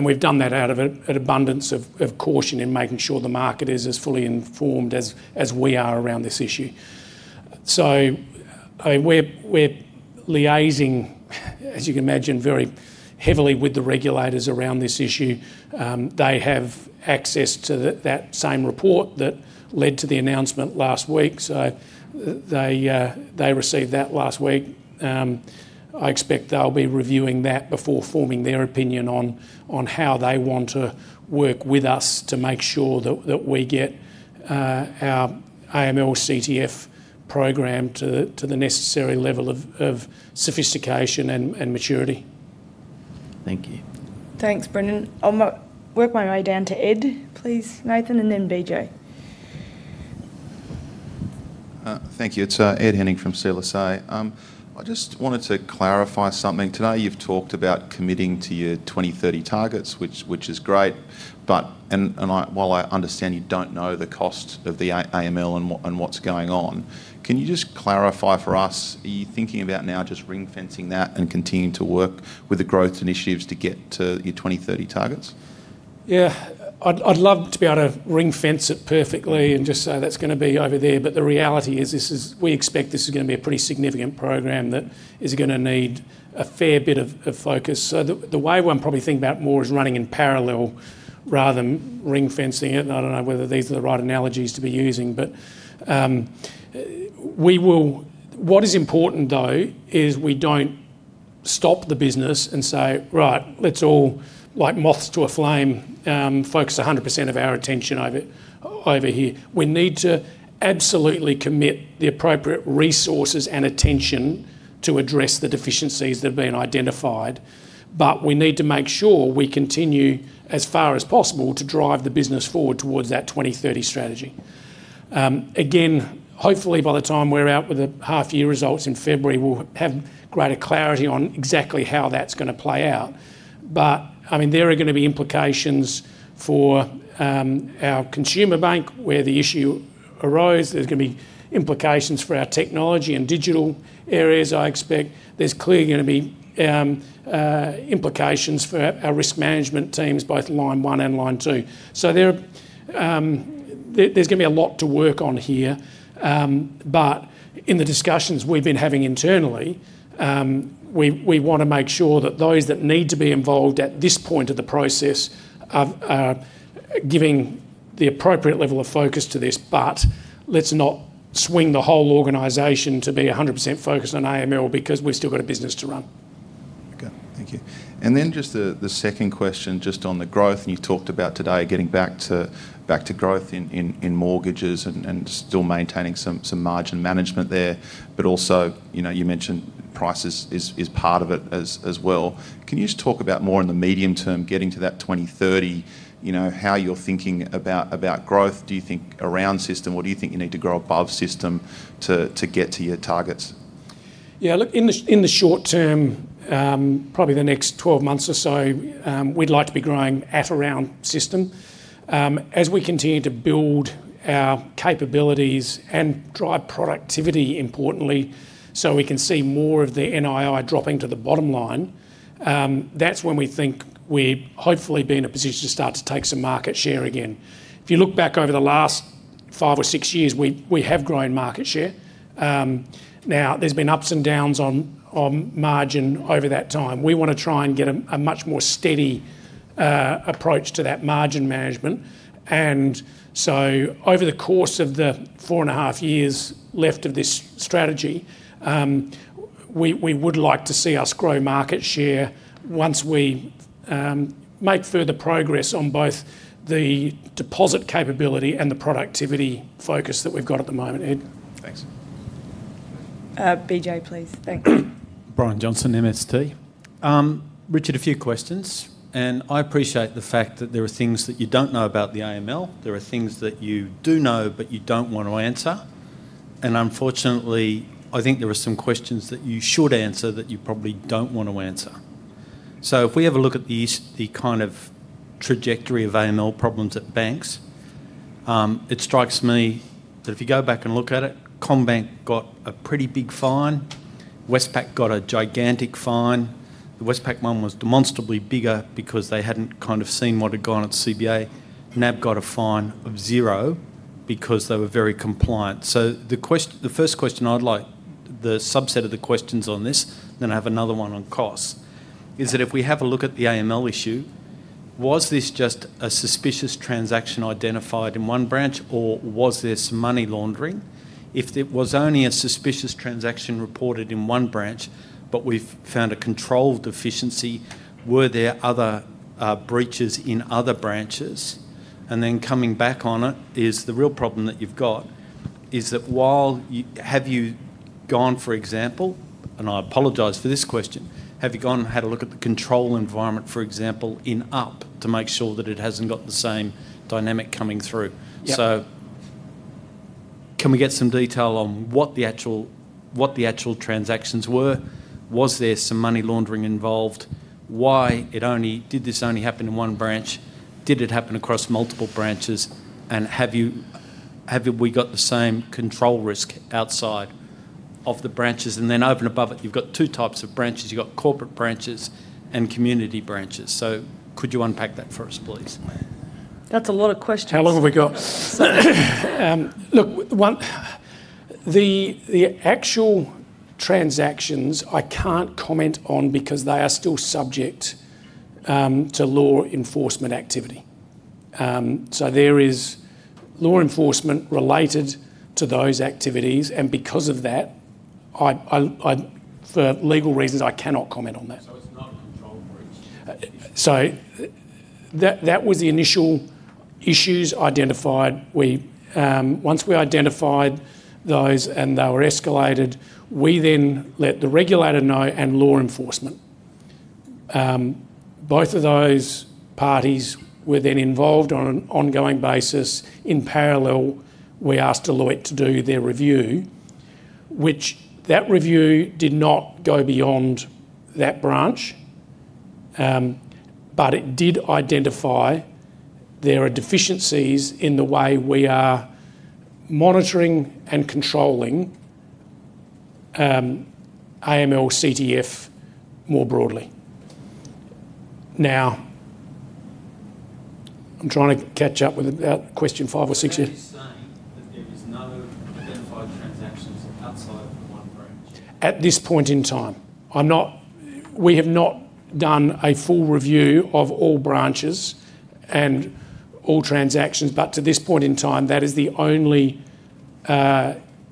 we've done that out of an abundance of caution in making sure the market is as fully informed as we are around this issue, so we're liaising, as you can imagine, very heavily with the regulators around this issue. They have access to that same report that led to the announcement last week, so they received that last week. I expect they'll be reviewing that before forming their opinion on how they want to work with us to make sure that we get our AML/CTF program to the necessary level of sophistication and maturity. Thank you. Thanks, Brendan. I'll work my way down to Ed, please, Nathan, and then BJ. Thank you. It's Ed Henning from CLSA. I just wanted to clarify something. Today you've talked about committing to your 2030 targets, which is great. And while I understand you don't know the cost of the AML and what's going on, can you just clarify for us, are you thinking about now just ring-fencing that and continuing to work with the growth initiatives to get to your 2030 targets? Yeah. I'd love to be able to ring-fence it perfectly and just say that's going to be over there. But the reality is we expect this is going to be a pretty significant program that is going to need a fair bit of focus. So the way one probably thinks about it more is running in parallel rather than ring-fencing it. And I don't know whether these are the right analogies to be using. But what is important, though, is we don't stop the business and say, "Right, let's all like moths to a flame, focus 100% of our attention over here." We need to absolutely commit the appropriate resources and attention to address the deficiencies that have been identified. But we need to make sure we continue, as far as possible, to drive the business forward towards that 2030 strategy. Again, hopefully by the time we're out with the half-year results in February, we'll have greater clarity on exactly how that's going to play out. But I mean, there are going to be implications for our consumer bank where the issue arose. There's going to be implications for our technology and digital areas, I expect. There's clearly going to be implications for our risk management teams, both Line 1 and Line 2. So there's going to be a lot to work on here. But in the discussions we've been having internally, we want to make sure that those that need to be involved at this point of the process are giving the appropriate level of focus to this. But let's not swing the whole organization to be 100% focused on AML because we've still got a business to run. Okay. Thank you. And then just the second question just on the growth. And you talked about today getting back to growth in mortgages and still maintaining some margin management there. But also you mentioned price is part of it as well. Can you just talk about more in the medium term, getting to that 2030, how you're thinking about growth? Do you think around system? What do you think you need to grow above system to get to your targets? Yeah. Look, in the short term, probably the next 12 months or so, we'd like to be growing at around system as we continue to build our capabilities and drive productivity, importantly, so we can see more of the NII dropping to the bottom line. That's when we think we're hopefully being in a position to start to take some market share again. If you look back over the last five or six years, we have grown market share. Now, there's been ups and downs on margin over that time. We want to try and get a much more steady approach to that margin management, and so over the course of the four and a half years left of this strategy, we would like to see us grow market share once we make further progress on both the deposit capability and the productivity focus that we've got at the moment. Thanks. BJ, please. Thank you. Brian Johnson, MST. Richard, a few questions. And I appreciate the fact that there are things that you don't know about the AML. There are things that you do know, but you don't want to answer. And unfortunately, I think there are some questions that you should answer that you probably don't want to answer. So if we have a look at the kind of trajectory of AML problems at banks, it strikes me that if you go back and look at it, CommBank got a pretty big fine. Westpac got a gigantic fine. The Westpac one was demonstrably bigger because they hadn't kind of seen what had gone at CBA. NAB got a fine of zero because they were very compliant. So the first question I'd like, the subset of the questions on this, then I have another one on costs, is that if we have a look at the AML issue, was this just a suspicious transaction identified in one branch, or was this money laundering? If it was only a suspicious transaction reported in one branch, but we've found a control deficiency, were there other breaches in other branches? And then coming back on it, is the real problem that you've got? Is that why have you gone, for example, and I apologize for this question, have you gone and had a look at the control environment, for example, in Up to make sure that it hasn't got the same dynamic coming through? So can we get some detail on what the actual transactions were? Was there some money laundering involved? Why did this only happen in one branch? Did it happen across multiple branches? And have we got the same control risk outside of the branches? And then over and above it, you've got two types of branches. You've got corporate branches and community branches. So could you unpack that for us, please? That's a lot of questions. How long have we got? Look, the actual transactions I can't comment on because they are still subject to law enforcement activity, so there is law enforcement related to those activities, and because of that, for legal reasons, I cannot comment on that. It's not a control breach? So that was the initial issues identified. Once we identified those and they were escalated, we then let the regulator know and law enforcement. Both of those parties were then involved on an ongoing basis. In parallel, we asked Deloitte to do their review, which review did not go beyond that branch. But it did identify there are deficiencies in the way we are monitoring and controlling AML/CTF more broadly. Now, I'm trying to catch up with question five or six. Are you saying that there are no identified transactions outside of one branch? At this point in time, we have not done a full review of all branches and all transactions. But to this point in time, that is the only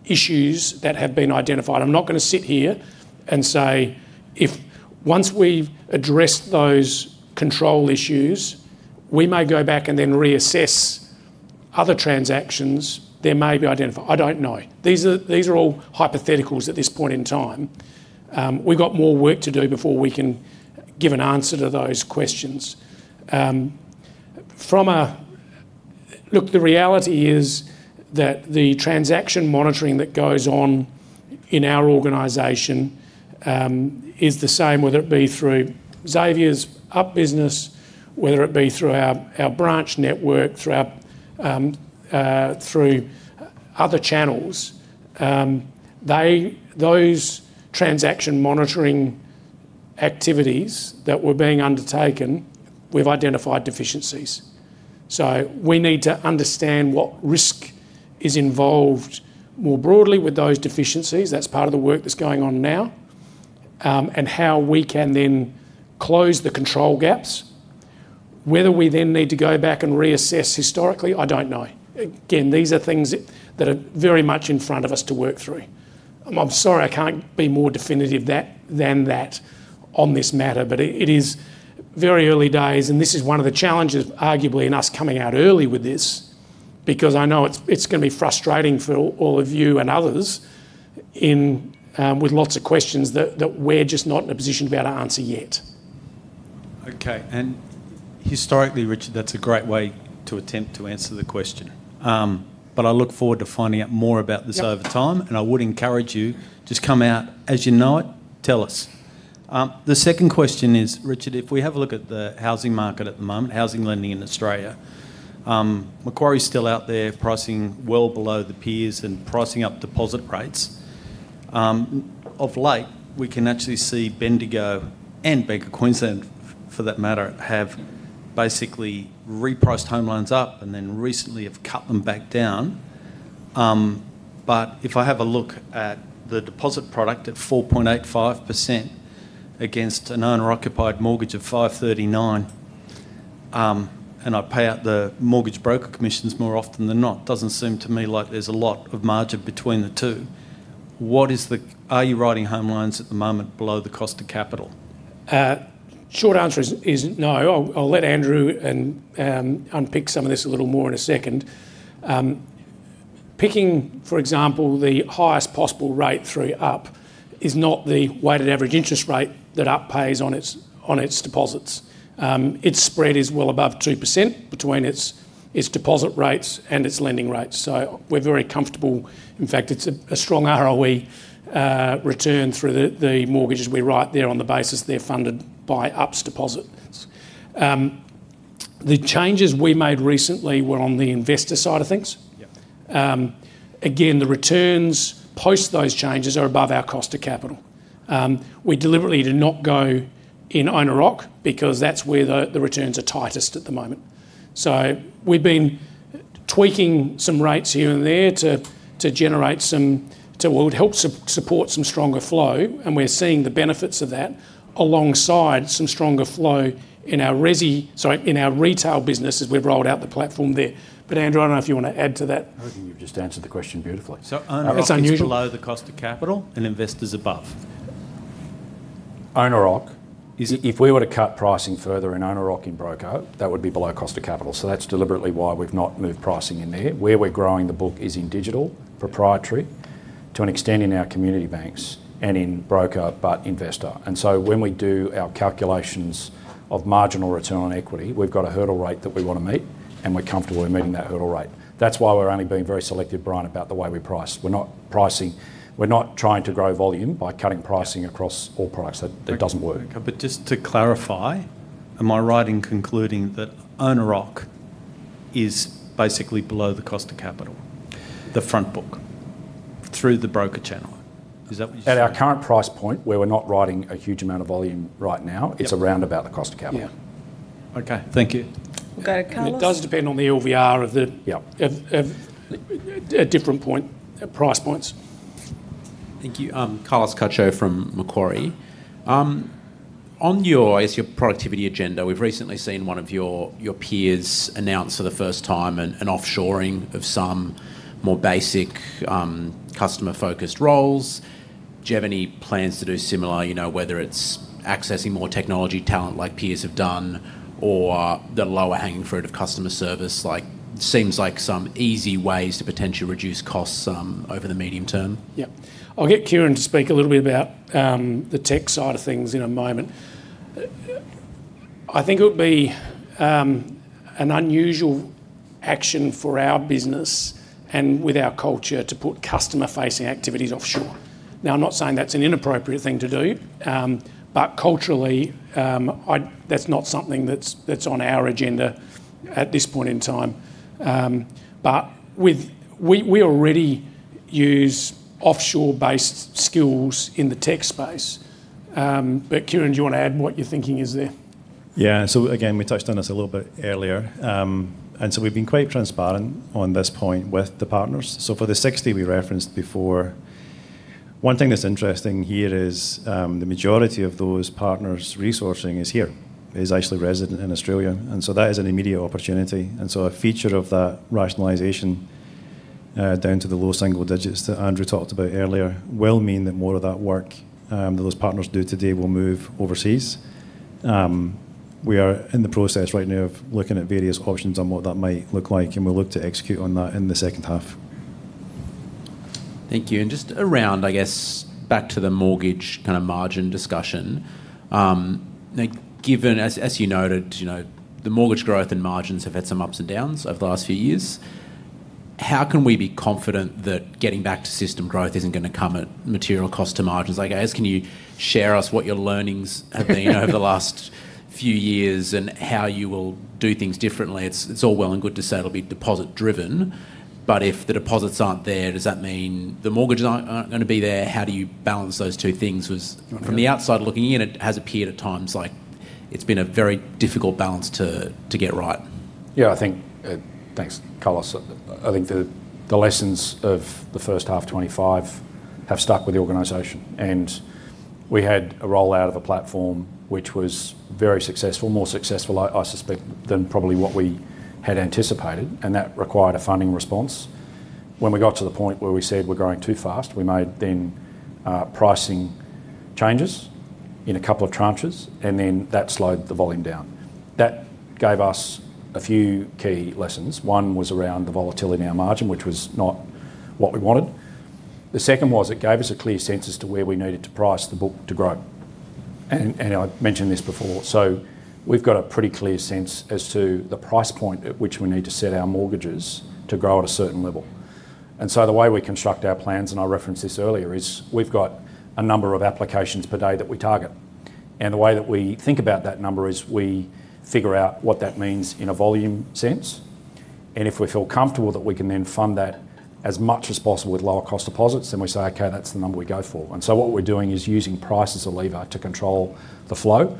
issues that have been identified. I'm not going to sit here and say if once we've addressed those control issues, we may go back and then reassess other transactions. There may be identified. I don't know. These are all hypotheticals at this point in time. We've got more work to do before we can give an answer to those questions. Look, the reality is that the transaction monitoring that goes on in our organization is the same, whether it be through Xavier's Up business, whether it be through our branch network, through other channels. Those transaction monitoring activities that were being undertaken, we've identified deficiencies. So we need to understand what risk is involved more broadly with those deficiencies. That's part of the work that's going on now and how we can then close the control gaps. Whether we then need to go back and reassess historically, I don't know. Again, these are things that are very much in front of us to work through. I'm sorry, I can't be more definitive than that on this matter. But it is very early days. And this is one of the challenges, arguably, in us coming out early with this because I know it's going to be frustrating for all of you and others with lots of questions that we're just not in a position to be able to answer yet. Okay. And historically, Richard, that's a great way to attempt to answer the question. But I look forward to finding out more about this over time. And I would encourage you, just come out as you know it, tell us. The second question is, Richard, if we have a look at the housing market at the moment, housing lending in Australia, Macquarie's still out there pricing well below the peers and pricing up deposit rates. Of late, we can actually see Bendigo and Bank of Queensland, for that matter, have basically repriced home loans up and then recently have cut them back down. But if I have a look at the deposit product at 4.85% against an owner-occupied mortgage of 5.39%, and I pay out the mortgage broker commissions more often than not, it doesn't seem to me like there's a lot of margin between the two. Are you writing home loans at the moment below the cost of capital? Short answer is no. I'll let Andrew unpick some of this a little more in a second. Picking, for example, the highest possible rate through Up is not the weighted average interest rate that Up pays on its deposits. Its spread is well above 2% between its deposit rates and its lending rates. So we're very comfortable. In fact, it's a strong ROE return through the mortgages we write there on the basis they're funded by Up's deposits. The changes we made recently were on the investor side of things. Again, the returns post those changes are above our cost of capital. We deliberately did not go in owner-occupier because that's where the returns are tightest at the moment. So we've been tweaking some rates here and there to generate some to help support some stronger flow. And we're seeing the benefits of that alongside some stronger flow in our retail business as we've rolled out the platform there. But Andrew, I don't know if you want to add to that. I reckon you've just answered the question beautifully. So ROE is below the cost of capital and investors above. Owner-occupier. If we were to cut pricing further in owner-occupier in broker, that would be below cost of capital. So that's deliberately why we've not moved pricing in there. Where we're growing the book is in digital, proprietary, to an extent in our community banks and in broker, but investor. And so when we do our calculations of marginal return on equity, we've got a hurdle rate that we want to meet, and we're comfortable with meeting that hurdle rate. That's why we're only being very selective, Brian, about the way we price. We're not trying to grow volume by cutting pricing across all products. That doesn't work. But just to clarify, am I right in concluding that owner-occupier is basically below the cost of capital, the front book, through the broker channel? Is that what you said? At our current price point, where we're not writing a huge amount of volume right now, it's around about the cost of capital. Yeah. Okay. Thank you. We've got a colors. It does depend on the LVR of the different price points. Thank you. Carlos Cacho from Macquarie. On your productivity agenda, we've recently seen one of your peers announce for the first time an offshoring of some more basic customer-focused roles. Do you have any plans to do similar, whether it's accessing more technology talent like peers have done or the lower hanging fruit of customer service? It seems like some easy ways to potentially reduce costs over the medium term. Yeah. I'll get Kieran to speak a little bit about the tech side of things in a moment. I think it would be an unusual action for our business and with our culture to put customer-facing activities offshore. Now, I'm not saying that's an inappropriate thing to do. But culturally, that's not something that's on our agenda at this point in time. But we already use offshore-based skills in the tech space. But Kieran, do you want to add what you're thinking is there? Yeah. So again, we touched on this a little bit earlier. And so we've been quite transparent on this point with the partners. So for the 60 we referenced before, one thing that's interesting here is the majority of those partners' resourcing is here, is actually resident in Australia. And so that is an immediate opportunity. And so a feature of that rationalization down to the low single digits that Andrew talked about earlier will mean that more of that work that those partners do today will move overseas. We are in the process right now of looking at various options on what that might look like. And we'll look to execute on that in the second half. Thank you, and just around, I guess, back to the mortgage kind of margin discussion. As you noted, the mortgage growth and margins have had some ups and downs over the last few years. How can we be confident that getting back to system growth isn't going to come at material cost to margins? I guess, can you share us what your learnings have been over the last few years and how you will do things differently? It's all well and good to say it'll be deposit-driven. But if the deposits aren't there, does that mean the mortgages aren't going to be there? How do you balance those two things? From the outside looking in, it has appeared at times like it's been a very difficult balance to get right. Yeah. I think, thanks, Carlos, I think the lessons of the first half 2025 have stuck with the organization, and we had a rollout of a platform which was very successful, more successful, I suspect, than probably what we had anticipated, and that required a funding response. When we got to the point where we said we're growing too fast, we made then pricing changes in a couple of tranches, and then that slowed the volume down. That gave us a few key lessons. One was around the volatility in our margin, which was not what we wanted. The second was it gave us a clear sense as to where we needed to price the book to grow, and I mentioned this before, so we've got a pretty clear sense as to the price point at which we need to set our mortgages to grow at a certain level. The way we construct our plans, and I referenced this earlier, is we've got a number of applications per day that we target. The way that we think about that number is we figure out what that means in a volume sense. If we feel comfortable that we can then fund that as much as possible with lower cost deposits, then we say, "Okay, that's the number we go for." What we're doing is using price as a lever to control the flow,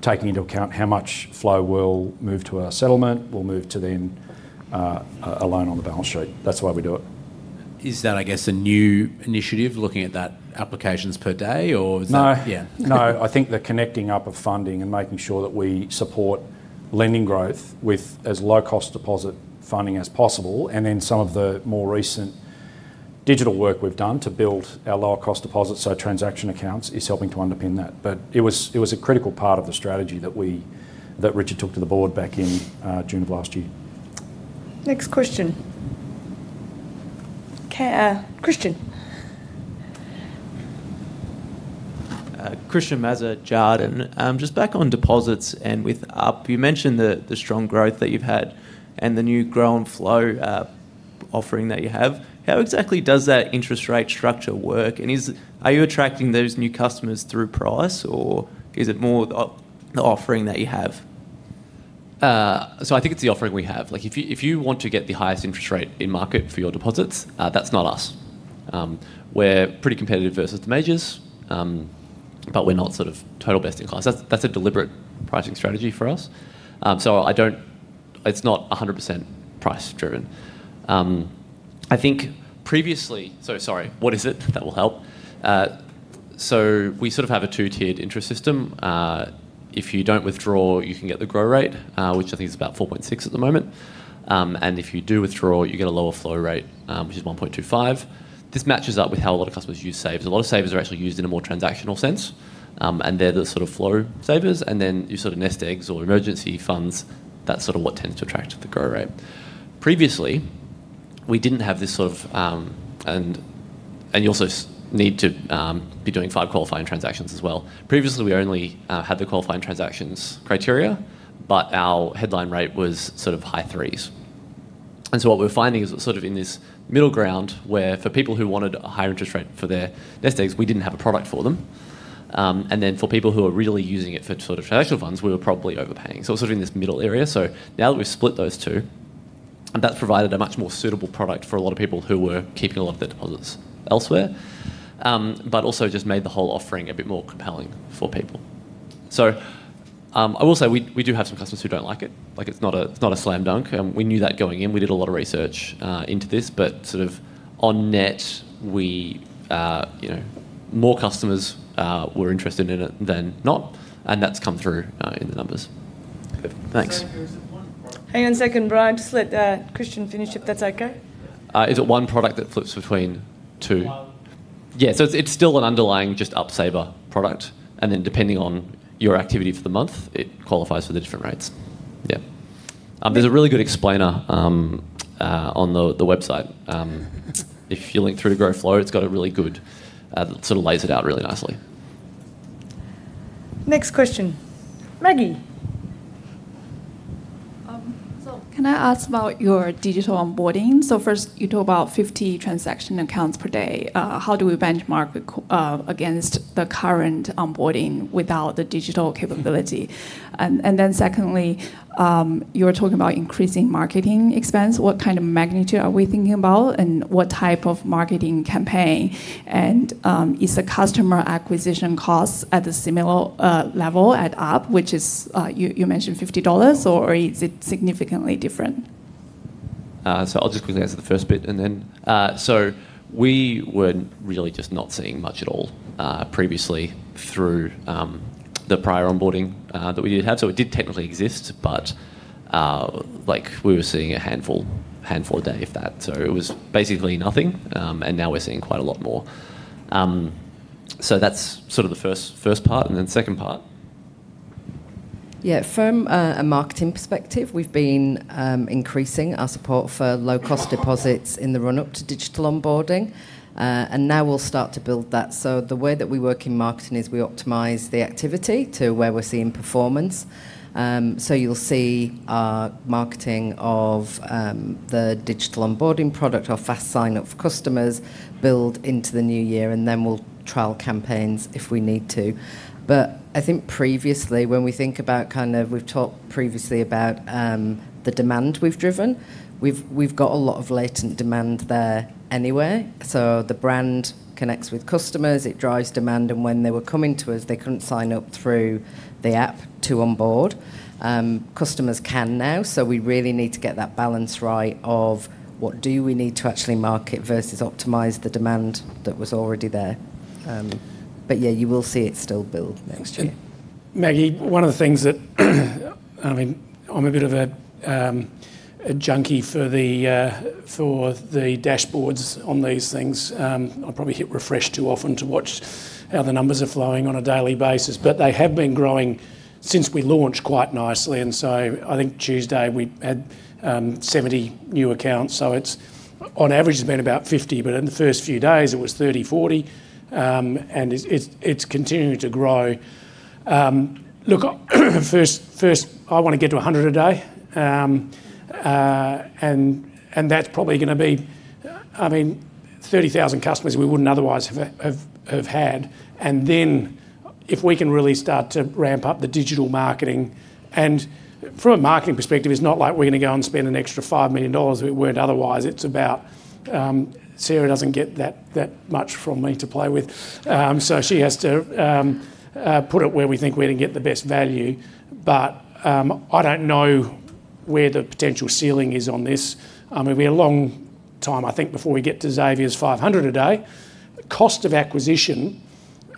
taking into account how much flow will move to a settlement, will move to then a loan on the balance sheet. That's why we do it. Is that, I guess, a new initiative looking at that applications per day, or is that? No. Yeah. No. I think the connecting up of funding and making sure that we support lending growth with as low-cost deposit funding as possible, and then some of the more recent digital work we've done to build our lower-cost deposits, so transaction accounts, is helping to underpin that, but it was a critical part of the strategy that Richard took to the board back in June of last year. Next question. Christian. Christian Mazza, Jarden. Just back on deposits and with Up, you mentioned the strong growth that you've had and the new Grow & Flow offering that you have. How exactly does that interest rate structure work? And are you attracting those new customers through price, or is it more the offering that you have? So I think it's the offering we have. If you want to get the highest interest rate in market for your deposits, that's not us. We're pretty competitive versus the majors, but we're not sort of total best in class. That's a deliberate pricing strategy for us. So it's not 100% price-driven. I think previously—so sorry, what is it? That will help. So we sort of have a two-tiered interest system. If you don't withdraw, you can get the grow rate, which I think is about 4.6 at the moment. And if you do withdraw, you get a lower flow rate, which is 1.25. This matches up with how a lot of customers use savers. A lot of savers are actually used in a more transactional sense. And they're the sort of flow savers. And then you sort of nest eggs or emergency funds. That's sort of what tends to attract the grow rate. Previously, we didn't have this sort of, and you also need to be doing five qualifying transactions as well. Previously, we only had the qualifying transactions criteria, but our headline rate was sort of high threes. And so what we were finding is sort of in this middle ground where for people who wanted a higher interest rate for their nest eggs, we didn't have a product for them. And then for people who are really using it for sort of financial funds, we were probably overpaying. So it was sort of in this middle area. So now that we've split those two, that's provided a much more suitable product for a lot of people who were keeping a lot of their deposits elsewhere, but also just made the whole offering a bit more compelling for people. So I will say we do have some customers who don't like it. It's not a slam dunk. We knew that going in. We did a lot of research into this. But sort of on net, more customers were interested in it than not. And that's come through in the numbers. Good. Thanks. Hang on a second, Brian. Just let Christian finish if that's okay. Is it one product that flips between two? Yeah. So it's still an underlying just Up saver product. And then depending on your activity for the month, it qualifies for the different rates. Yeah. There's a really good explainer on the website. If you link through to Grow & Flow, it's got a really good, it sort of lays it out really nicely. Next question. Maggie. So can I ask about your digital onboarding? So first, you talk about 50 transaction accounts per day. How do we benchmark against the current onboarding without the digital capability? And then secondly, you were talking about increasing marketing expense. What kind of magnitude are we thinking about and what type of marketing campaign? And is the customer acquisition cost at a similar level at Up, which is, you mentioned, 50 dollars, or is it significantly different? I'll just quickly answer the first bit and then. So we were really just not seeing much at all previously through the prior onboarding that we did have. So it did technically exist, but we were seeing a handful a day of that. So it was basically nothing. And now we're seeing quite a lot more. So that's sort of the first part. And then second part. Yeah. From a marketing perspective, we've been increasing our support for low-cost deposits in the run-up to digital onboarding. And now we'll start to build that. So the way that we work in marketing is we optimize the activity to where we're seeing performance. So you'll see our marketing of the digital onboarding product, our fast sign-up for customers build into the new year, and then we'll trial campaigns if we need to. But I think previously, when we think about kind of we've talked previously about the demand we've driven, we've got a lot of latent demand there anyway. So the brand connects with customers. It drives demand. And when they were coming to us, they couldn't sign up through the app to onboard. Customers can now. So we really need to get that balance right of what do we need to actually market versus optimize the demand that was already there. But yeah, you will see it still build next year. Maggie, one of the things that I mean, I'm a bit of a junkie for the dashboards on these things. I probably hit refresh too often to watch how the numbers are flowing on a daily basis. But they have been growing since we launched quite nicely. And so I think Tuesday we had 70 new accounts. So on average, it's been about 50. But in the first few days, it was 30, 40. And it's continuing to grow. Look, first, I want to get to 100 a day. And that's probably going to be, I mean, 30,000 customers we wouldn't otherwise have had. And then if we can really start to ramp up the digital marketing. And from a marketing perspective, it's not like we're going to go and spend an extra 5 million dollars that we weren't otherwise. It's about Sarah doesn't get that much from me to play with so she has to put it where we think we're going to get the best value but I don't know where the potential ceiling is on this. I mean, we're a long time, I think, before we get to Xavier's 500 a day. Cost of acquisition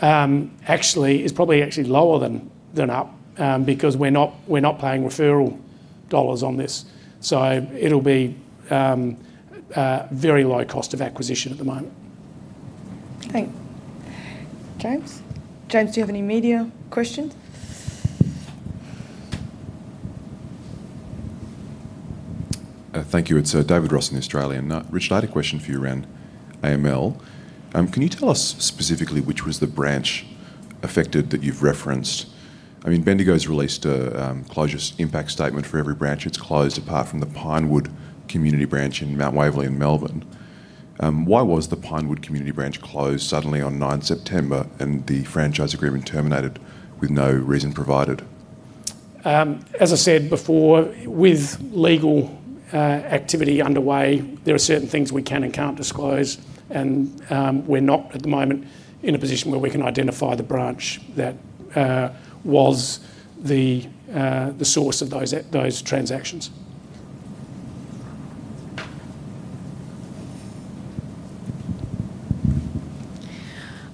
actually is probably lower than Up because we're not paying referral dollars on this so it'll be very low cost of acquisition at the moment. Thanks. James. James, do you have any media questions? Thank you. It's David Ross in The Australian. Richard, I had a question for you around AML. Can you tell us specifically which was the branch affected that you've referenced? I mean, Bendigo's released a closure impact statement for every branch it's closed apart from the Pinewood Community Branch in Mount Waverley in Melbourne. Why was the Pinewood Community Branch closed suddenly on 9 September and the franchise agreement terminated with no reason provided? As I said before, with legal activity underway, there are certain things we can and can't disclose, and we're not at the moment in a position where we can identify the branch that was the source of those transactions.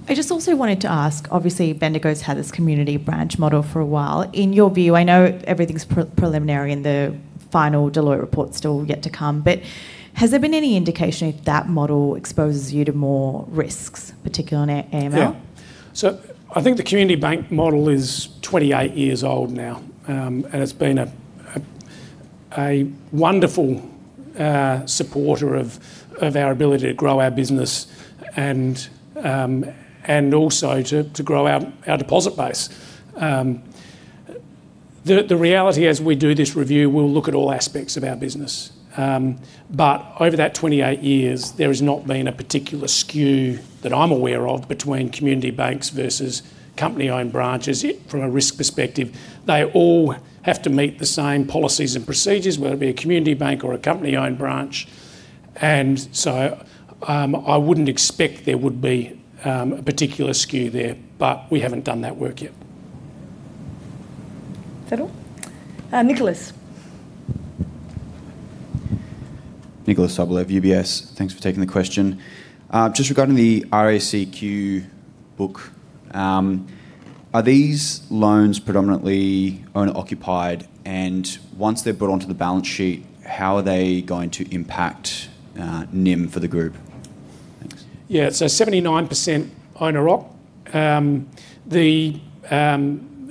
I just also wanted to ask, obviously, Bendigo's had this community branch model for a while. In your view, I know everything's preliminary and the final Deloitte report's still yet to come. But has there been any indication if that model exposes you to more risks, particularly on AML? Yeah. So I think the community bank model is 28 years old now. And it's been a wonderful supporter of our ability to grow our business and also to grow our deposit base. The reality, as we do this review, we'll look at all aspects of our business. But over that 28 years, there has not been a particular skew that I'm aware of between community banks versus company-owned branches. From a risk perspective, they all have to meet the same policies and procedures, whether it be a community bank or a company-owned branch. And so I wouldn't expect there would be a particular skew there. But we haven't done that work yet. Nicholas. Nicholas Sobolev, UBS. Thanks for taking the question. Just regarding the RACQ book, are these loans predominantly owner-occupied? And once they're brought onto the balance sheet, how are they going to impact NIM for the group? Thanks. Yeah. So 79% owner-occupied.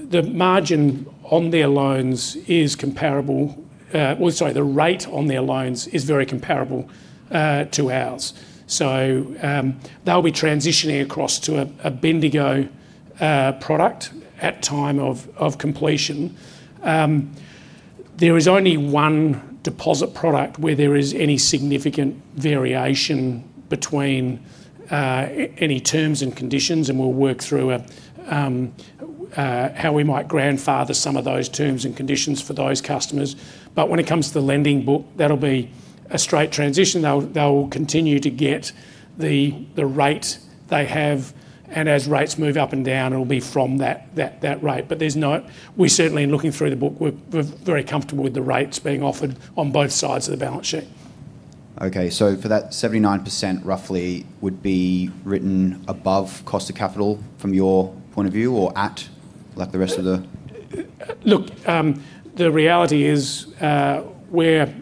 The margin on their loans is comparable. Sorry, the rate on their loans is very comparable to ours. So they'll be transitioning across to a Bendigo product at time of completion. There is only one deposit product where there is any significant variation between any terms and conditions. And we'll work through how we might grandfather some of those terms and conditions for those customers. But when it comes to the lending book, that'll be a straight transition. They'll continue to get the rate they have. And as rates move up and down, it'll be from that rate. But we certainly, in looking through the book, we're very comfortable with the rates being offered on both sides of the balance sheet. Okay. So for that 79%, roughly, would be written above cost of capital from your point of view or at like the rest of the? Look, the reality is where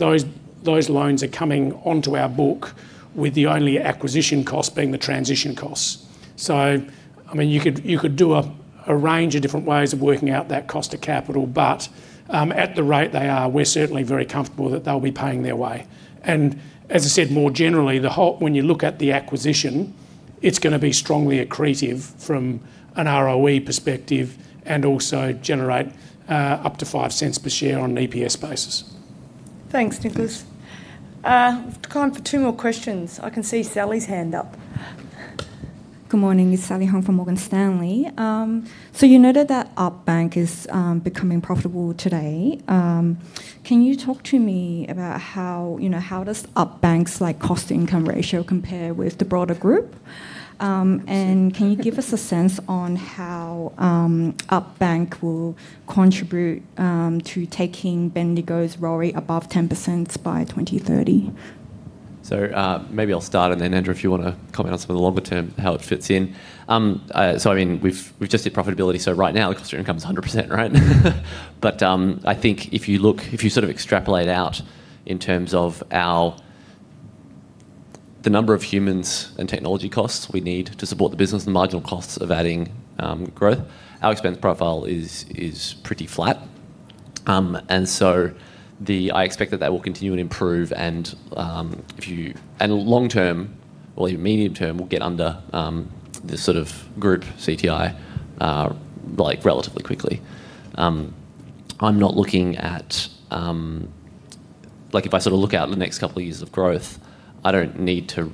those loans are coming onto our book with the only acquisition cost being the transition costs. So I mean, you could do a range of different ways of working out that cost of capital. But at the rate they are, we're certainly very comfortable that they'll be paying their way. And as I said, more generally, when you look at the acquisition, it's going to be strongly accretive from an ROE perspective and also generate up to 0.05 per share on an EPS basis. Thanks, Nicholas. Time for two more questions. I can see Sally's hand up. Good morning. It's Sally Hong from Morgan Stanley. So you noted that Up Bank is becoming profitable today. Can you talk to me about how does Up Bank's cost-to-income ratio compare with the broader group? And can you give us a sense on how Up Bank will contribute to taking Bendigo's ROE above 10% by 2030? So maybe I'll start. And then, Andrew, if you want to comment on some of the longer term, how it fits in. So I mean, we've just hit profitability. So right now, the cost-to-income is 100%, right? But I think if you look, if you sort of extrapolate out in terms of the number of humans and technology costs we need to support the business and the marginal costs of adding growth, our expense profile is pretty flat. And so I expect that that will continue and improve. And long term, or even medium term, we'll get under this sort of group CTI relatively quickly. I'm not looking at if I sort of look out in the next couple of years of growth, I don't need to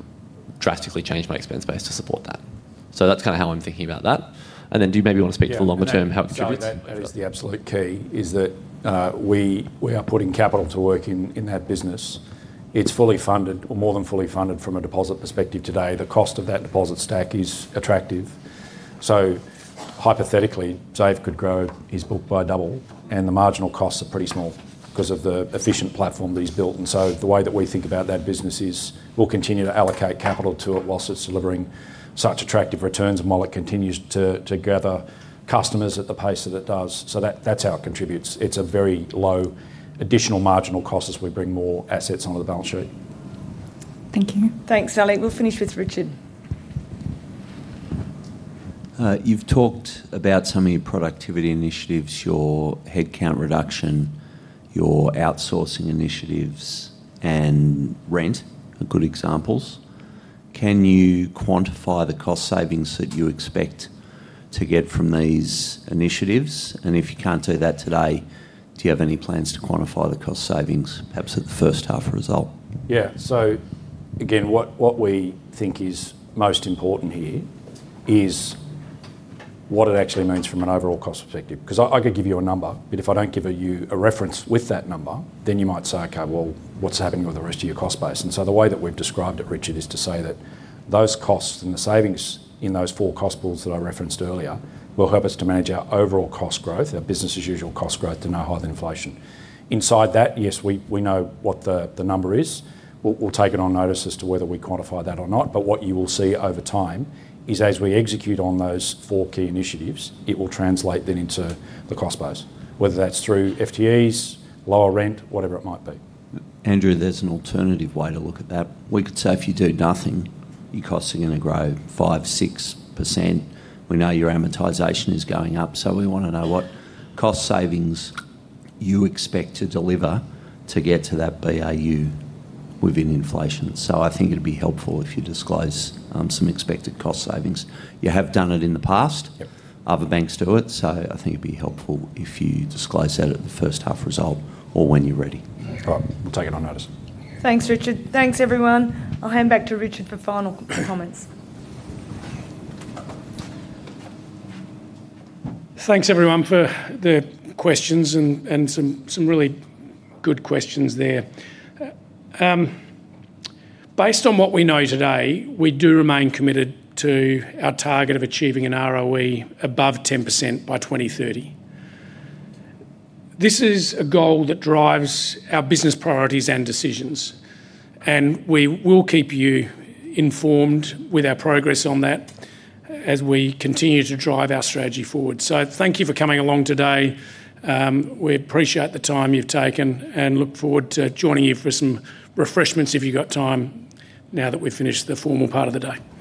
drastically change my expense base to support that. So that's kind of how I'm thinking about that. Do you maybe want to speak to the longer term? Yeah. I think that is the absolute key is that we are putting capital to work in that business. It's fully funded or more than fully funded from a deposit perspective today. The cost of that deposit stack is attractive. So hypothetically, Xavier could grow his book by double. And the marginal costs are pretty small because of the efficient platform that he's built. And so the way that we think about that business is we'll continue to allocate capital to it whilst it's delivering such attractive returns while it continues to gather customers at the pace that it does. So that's how it contributes. It's a very low additional marginal cost as we bring more assets onto the balance sheet. Thank you. Thanks, Sally. We'll finish with Richard. You've talked about some of your productivity initiatives, your headcount reduction, your outsourcing initiatives, and rent are good examples. Can you quantify the cost savings that you expect to get from these initiatives? And if you can't do that today, do you have any plans to quantify the cost savings, perhaps at the first half result? Yeah. So again, what we think is most important here is what it actually means from an overall cost perspective. Because I could give you a number. But if I don't give you a reference with that number, then you might say, "Okay, well, what's happening with the rest of your cost base?" And so the way that we've described it, Richard, is to say that those costs and the savings in those four cost pools that I referenced earlier will help us to manage our overall cost growth, our business-as-usual cost growth to no higher than inflation. Inside that, yes, we know what the number is. We'll take it on notice as to whether we quantify that or not. But what you will see over time is as we execute on those four key initiatives, it will translate then into the cost base, whether that's through FTEs, lower rent, whatever it might be. Andrew, there's an alternative way to look at that. We could say if you do nothing, your costs are going to grow 5%-6%. We know your amortization is going up, so we want to know what cost savings you expect to deliver to get to that BAU within inflation, so I think it'd be helpful if you disclose some expected cost savings. You have done it in the past. Other banks do it, so I think it'd be helpful if you disclose that at the first half result or when you're ready. All right. We'll take it on notice. Thanks, Richard. Thanks, everyone. I'll hand back to Richard for final comments. Thanks, everyone, for the questions and some really good questions there. Based on what we know today, we do remain committed to our target of achieving an ROE above 10% by 2030. This is a goal that drives our business priorities and decisions, and we will keep you informed with our progress on that as we continue to drive our strategy forward, so thank you for coming along today. We appreciate the time you've taken and look forward to joining you for some refreshments if you've got time now that we've finished the formal part of the day. Thanks.